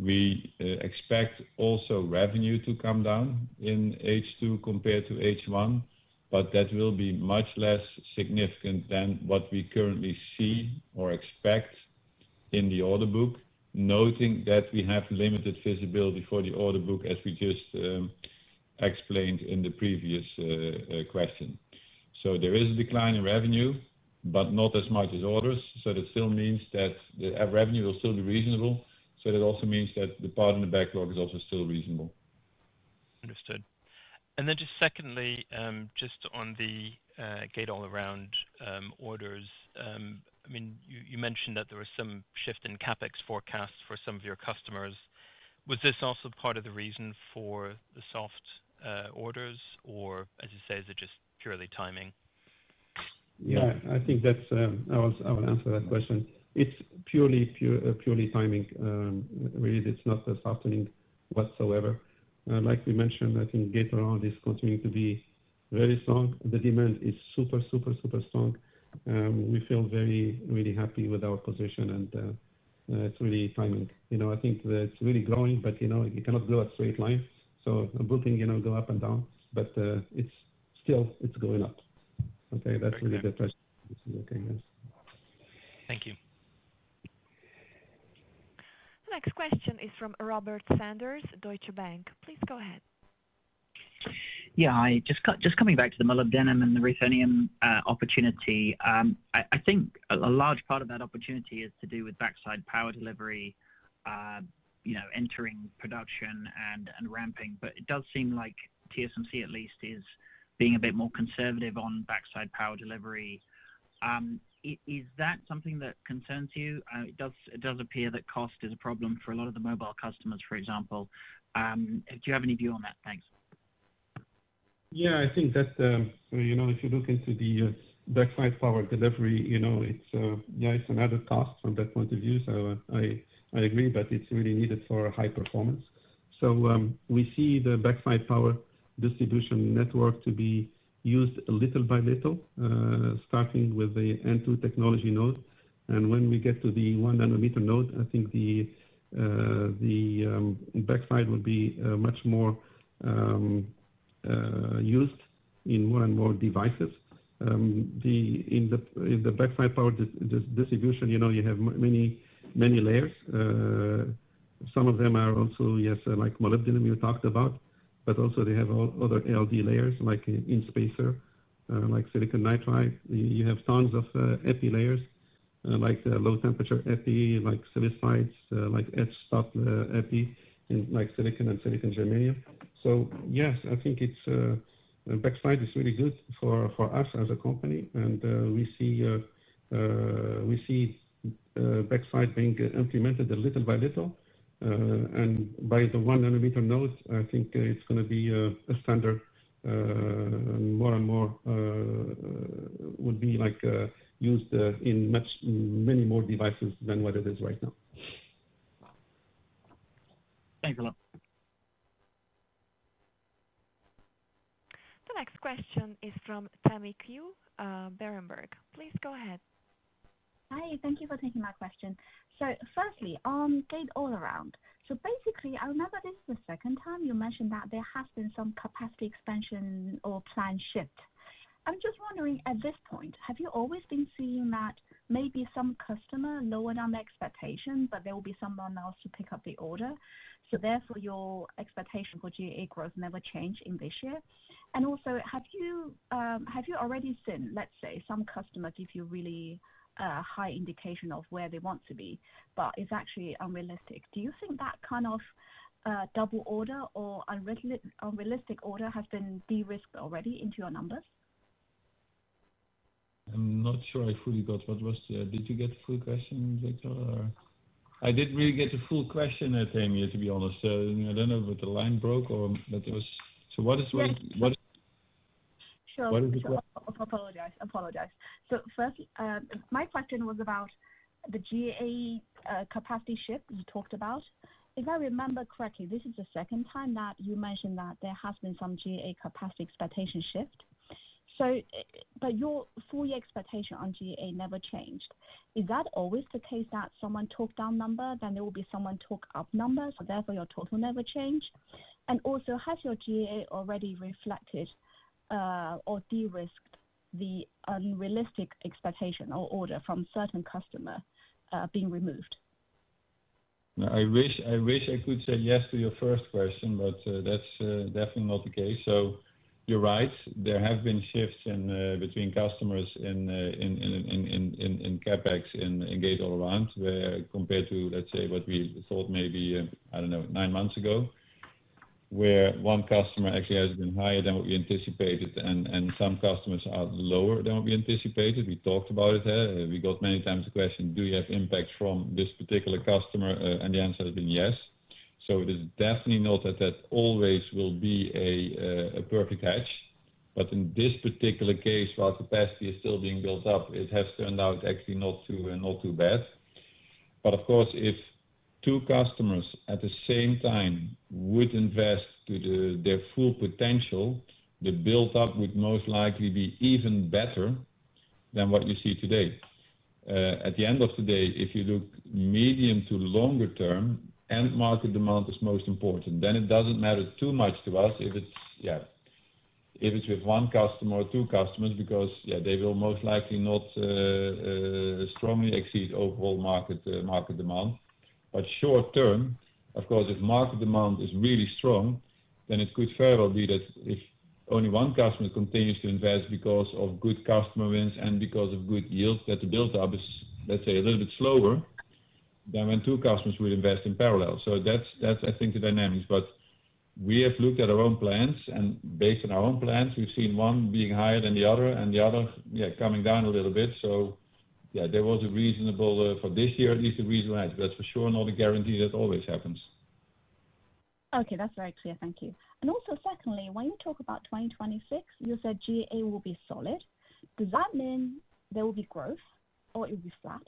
we expect also revenue to come down in H2 compared to H1, but that will be much less significant than what we currently see or expect in the order book, noting that we have limited visibility for the order book as we just explained in the previous question. There is a decline in revenue, but not as much as orders. That still means that revenue will still be reasonable. That also means that the part in the backlog is also still reasonable. Understood. And then just secondly, just on the gate-all-around orders. I mean, you mentioned that there was some shift in CapEx forecasts for some of your customers. Was this also part of the reason for the soft orders, or as you say, is it just purely timing? Yeah. I think that is, I will answer that question. It is purely timing. Really. It is not a softening whatsoever. Like we mentioned, I think gate-all-around is continuing to be very strong. The demand is super, super, super strong. We feel very, really happy with our position, and it is really timing. I think it is really growing, but you cannot grow in a straight line. A booking can go up and down, but still it is going up. Okay. That is really the pressure. This is okay, yes. Thank you. The next question is from Robert Sanders, Deutsche Bank. Please go ahead. Yeah. Just coming back to the Molybdenum and the Ruthenium opportunity, I think a large part of that opportunity is to do with backside power delivery entering production and ramping. It does seem like TSMC at least is being a bit more conservative on backside power delivery. Is that something that concerns you? It does appear that cost is a problem for a lot of the mobile customers, for example. Do you have any view on that? Thanks. Yeah. I think that if you look into the backside power delivery, yeah, it's an added cost from that point of view. I agree, but it's really needed for high performance. We see the backside power distribution network to be used little by little, starting with the N2 technology node. When we get to the 1-nanometer node, I think the backside will be much more used in more and more devices. In the backside power distribution, you have many layers. Some of them are also, yes, like molybdenum you talked about, but also they have other ALD layers like in spacer, like silicon nitride. You have tons of Epi layers like low temperature Epi, like silicides, like H-stop Epi, and like silicon and silicon germanium. Yes, I think backside is really good for us as a company, and we see backside being implemented little by little. By the 1-nanometer node, I think it's going to be a standard. More and more would be used in many more devices than what it is right now. Thanks a lot. The next question is from Tammy Qiu Berenberg. Please go ahead. Hi. Thank you for taking my question. Firstly, on gate-all-around. Basically, I remember this is the second time you mentioned that there has been some capacity expansion or plan shift. I'm just wondering at this point, have you always been seeing that maybe some customer lowered on expectation, but there will be someone else to pick up the order? Therefore, your expectation for GAA growth never changed in this year. Also, have you already seen, let's say, some customers give you really high indication of where they want to be, but it's actually unrealistic? Do you think that kind of double order or unrealistic order has been de-risked already into your numbers? I'm not sure I fully got what was the did you get the full question, Victor, or? I didn't really get the full question, Tammy, to be honest. I don't know if the line broke or that there was so what is what is? Sure. Sure. I apologize. I apologize. First, my question was about the GAA capacity shift you talked about. If I remember correctly, this is the second time that you mentioned that there has been some GAA capacity expectation shift. Your full year expectation on GAA never changed. Is that always the case that someone talked down number, then there will be someone talk up number, therefore your total never changed? Also, has your GAA already reflected or de-risked the unrealistic expectation or order from certain customers being removed? I wish I could say yes to your first question, but that's definitely not the case. You're right. There have been shifts between customers in CapEx and gate-all-around compared to, let's say, what we thought maybe, I don't know, nine months ago. Where one customer actually has been higher than what we anticipated, and some customers are lower than what we anticipated. We talked about it. We got many times the question, "Do you have impact from this particular customer?" And the answer has been yes. It is definitely not that that always will be a perfect match. In this particular case, while capacity is still being built up, it has turned out actually not too bad. Of course, if two customers at the same time would invest to their full potential, the build-up would most likely be even better than what you see today. At the end of the day, if you look medium to longer term, end market demand is most important. Then it doesn't matter too much to us if it's, yeah. If it's with one customer or two customers because, yeah, they will most likely not strongly exceed overall market demand. Short term, of course, if market demand is really strong, then it could fairly be that if only one customer continues to invest because of good customer wins and because of good yields, that the build-up is, let's say, a little bit slower than when two customers would invest in parallel. That's, I think, the dynamics. We have looked at our own plans, and based on our own plans, we've seen one being higher than the other, and the other, yeah, coming down a little bit. There was a reasonable for this year, at least a reasonable answer. That's for sure. Not a guarantee that always happens. Okay. That's very clear. Thank you. Also, secondly, when you talk about 2026, you said GAA will be solid. Does that mean there will be growth or it will be flat?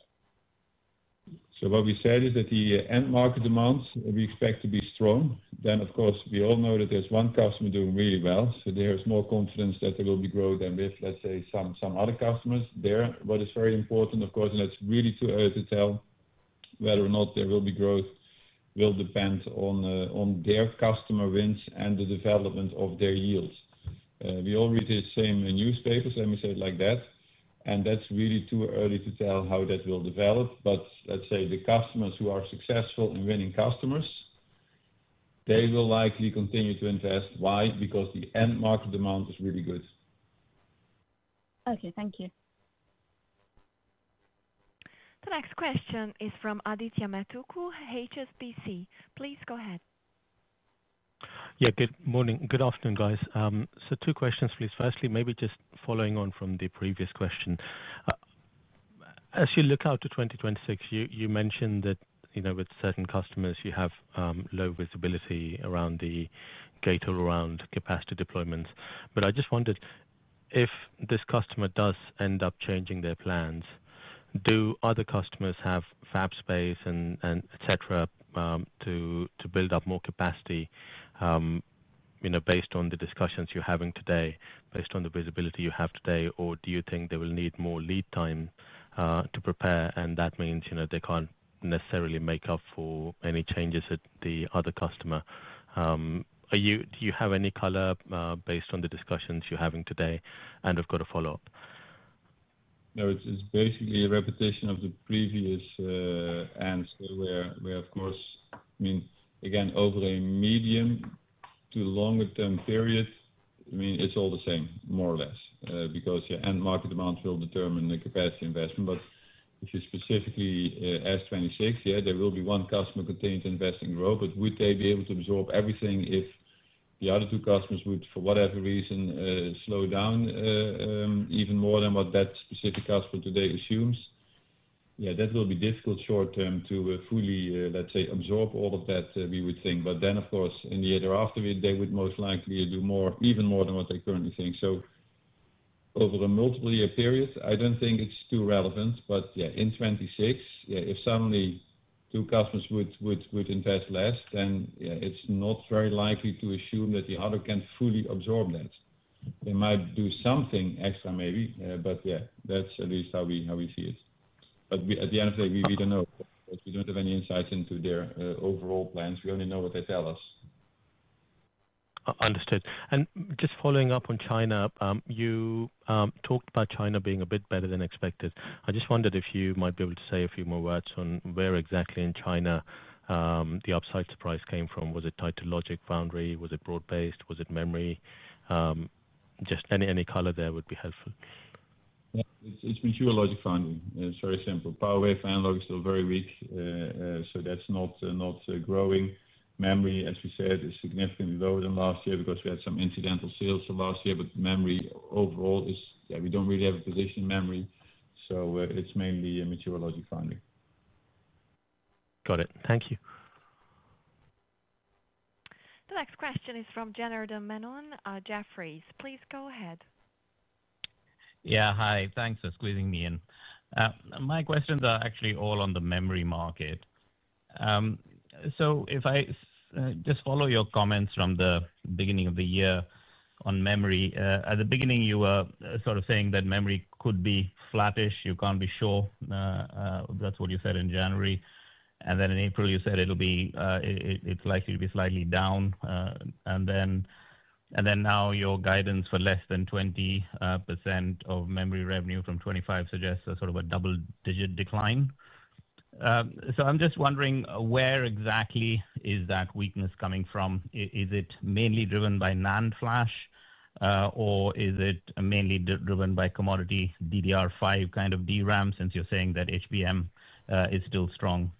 What we said is that the end market demands, we expect to be strong. Of course, we all know that there's one customer doing really well, so there is more confidence that there will be growth than with, let's say, some other customers there. What is very important, of course, and it's really too early to tell whether or not there will be growth, will depend on their customer wins and the development of their yields. We all read the same newspapers, let me say it like that. That's really too early to tell how that will develop. Let's say the customers who are successful in winning customers. They will likely continue to invest. Why? Because the end market demand is really good. Okay. Thank you. The next question is from Adithya Metuku, HSBC. Please go ahead. Yeah. Good morning. Good afternoon, guys. Two questions, please. Firstly, maybe just following on from the previous question. As you look out to 2026, you mentioned that with certain customers, you have low visibility around the gate-all-around capacity deployments. I just wondered, if this customer does end up changing their plans, do other customers have fab space and etc. to build up more capacity? Based on the discussions you're having today, based on the visibility you have today, or do you think they will need more lead time to prepare, and that means they can't necessarily make up for any changes at the other customer? Do you have any color based on the discussions you're having today? We've got a follow-up. No, it's basically a repetition of the previous answer where, of course, I mean, again, over a medium to longer-term period, I mean, it's all the same, more or less, because your end market demand will determine the capacity investment. If you specifically ask 2026, yeah, there will be one customer continuing to invest in growth, but would they be able to absorb everything if the other two customers would, for whatever reason, slow down even more than what that specific customer today assumes? Yeah, that will be difficult short term to fully, let's say, absorb all of that, we would think. In the year thereafter, they would most likely do even more than what they currently think. Over a multiple-year period, I don't think it's too relevant. In 2026, if suddenly two customers would invest less, then it's not very likely to assume that the other can fully absorb that. They might do something extra, maybe. That's at least how we see it. At the end of the day, we don't know. We don't have any insights into their overall plans. We only know what they tell us. Understood. Just following up on China, you talked about China being a bit better than expected. I just wondered if you might be able to say a few more words on where exactly in China the upside surprise came from. Was it tied to logic foundry? Was it broad-based? Was it memory? Just any color there would be helpful. It's been pure logic foundry. It's very simple. Power, wafer, analog is still very weak, so that's not growing. Memory, as we said, is significantly lower than last year because we had some incidental sales last year. Memory overall, yeah, we don't really have a position in memory. It's mainly mature logic foundry. Got it. Thank you. The next question is from Janardan Menon Jefferies. Please go ahead. Yeah. Hi. Thanks for squeezing me in. My questions are actually all on the memory market. If I just follow your comments from the beginning of the year on memory, at the beginning, you were sort of saying that memory could be flattish. You can't be sure. That's what you said in January. In April, you said it's. Likely to be slightly down. Now your guidance for less than 20% of memory revenue from 2025 suggests sort of a double-digit decline. I'm just wondering, where exactly is that weakness coming from? Is it mainly driven by NAND flash, or is it mainly driven by commodity DDR5 kind of DRAM since you're saying that HBM is still strong?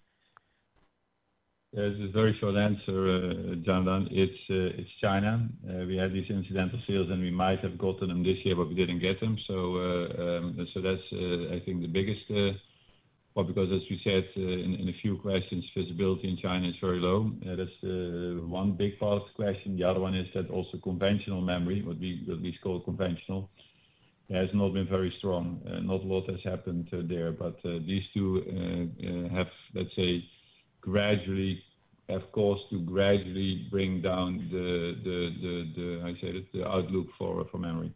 There's a very short answer, John. It's China. We had these incidental sales, and we might have gotten them this year, but we didn't get them. That's, I think, the biggest. As we said in a few questions, visibility in China is very low. That's one big part of the question. The other one is that also conventional memory, what we call conventional, has not been very strong. Not a lot has happened there. These two have, let's say, gradually caused to gradually bring down the, how you say it, the outlook for memory.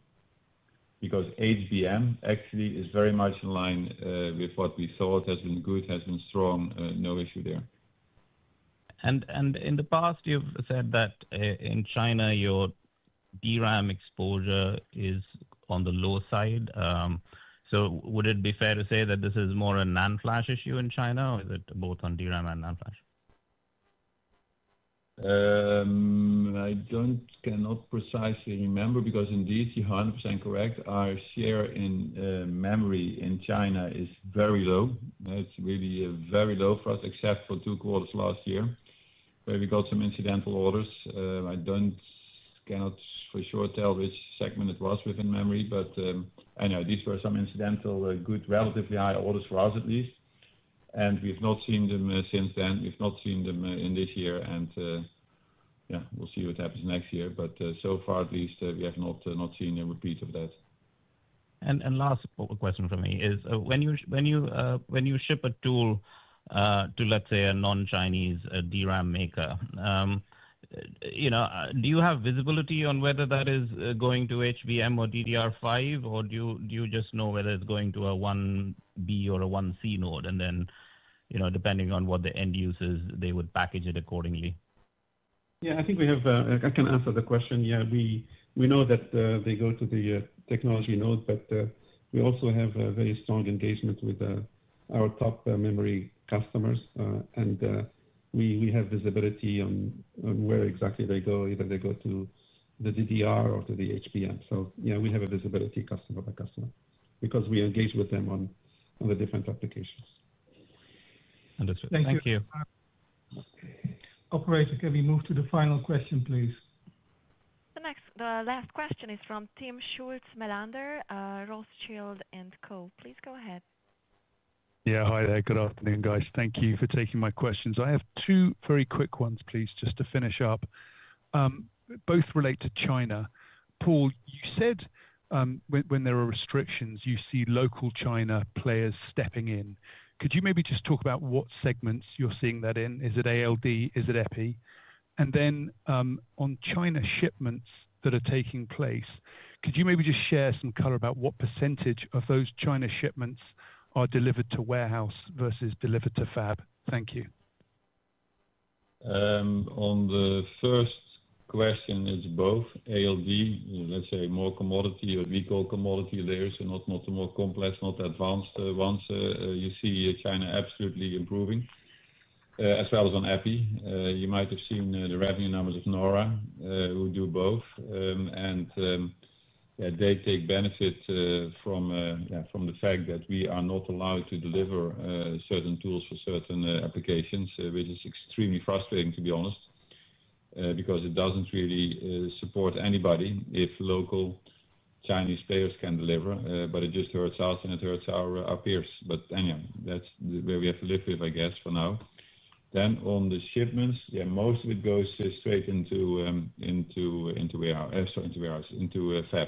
HBM actually is very much in line with what we thought, has been good, has been strong, no issue there. In the past, you've said that in China, your DRAM exposure is on the low side. Would it be fair to say that this is more a NAND flash issue in China, or is it both on DRAM and NAND flash? I cannot precisely remember because indeed, you're 100% correct. Our share in memory in China is very low. It's really very low for us, except for two quarters last year, where we got some incidental orders. I cannot for sure tell which segment it was within memory, but I know these were some incidental good, relatively high orders for us, at least. We've not seen them since then. We've not seen them in this year. We'll see what happens next year. So far, at least, we have not seen a repeat of that. Last question for me is, when you ship a tool to, let's say, a non-Chinese DRAM maker, do you have visibility on whether that is going to HBM or DDR5, or do you just know whether it's going to a 1B or a 1C node? Then, depending on what the end use is, they would package it accordingly. Yeah. I think we have a—I can answer the question. Yeah. We know that they go to the technology node, but we also have a very strong engagement with our top memory customers. We have visibility on where exactly they go, either they go to the DDR or to the HBM. So yeah, we have a visibility customer by customer because we engage with them on the different applications. Understood. Thank you. Operator, can we move to the final question, please? The last question is from Timm Schulze-Melander, Rothschild & Co. Please go ahead. Yeah. Hi. Good afternoon, guys. Thank you for taking my questions. I have two very quick ones, please, just to finish up. Both relate to China. Paul, you said when there are restrictions, you see local China players stepping in. Could you maybe just talk about what segments you're seeing that in? Is it ALD? Is it Epi? And then on China shipments that are taking place, could you maybe just share some color about what percentage of those China shipments are delivered to warehouse versus delivered to fab? Thank you. On the first question, it's both ALD, let's say, more commodity or vehicle commodity layers, not the more complex, not the advanced ones. You see China absolutely improving, as well as on Epi. You might have seen the revenue numbers of NORA, who do both. Yeah, they take benefit from the fact that we are not allowed to deliver certain tools for certain applications, which is extremely frustrating, to be honest, because it doesn't really support anybody if local Chinese players can deliver, but it just hurts us, and it hurts our peers. Anyhow, that's where we have to live with, I guess, for now. Then on the shipments, yeah, most of it goes straight into warehouse, into warehouse, into fabs.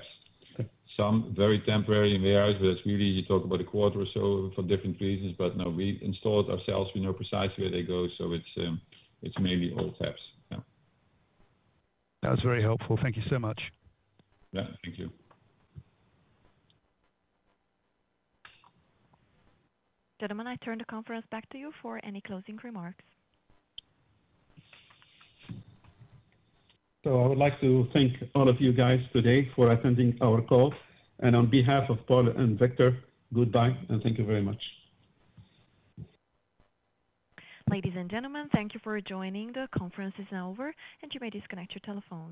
Some very temporarily in warehouse, but it's really easy to talk about a quarter or so for different reasons. No, we install it ourselves. We know precisely where they go, so it's mainly all fabs. Yeah. That was very helpful. Thank you so much. Yeah. Thank you. Gentlemen, I turn the conference back to you for any closing remarks. I would like to thank all of you guys today for attending our call. On behalf of Paul and Victor, goodbye, and thank you very much. Ladies and gentlemen, thank you for joining. The conference is now over, and you may disconnect your telephones.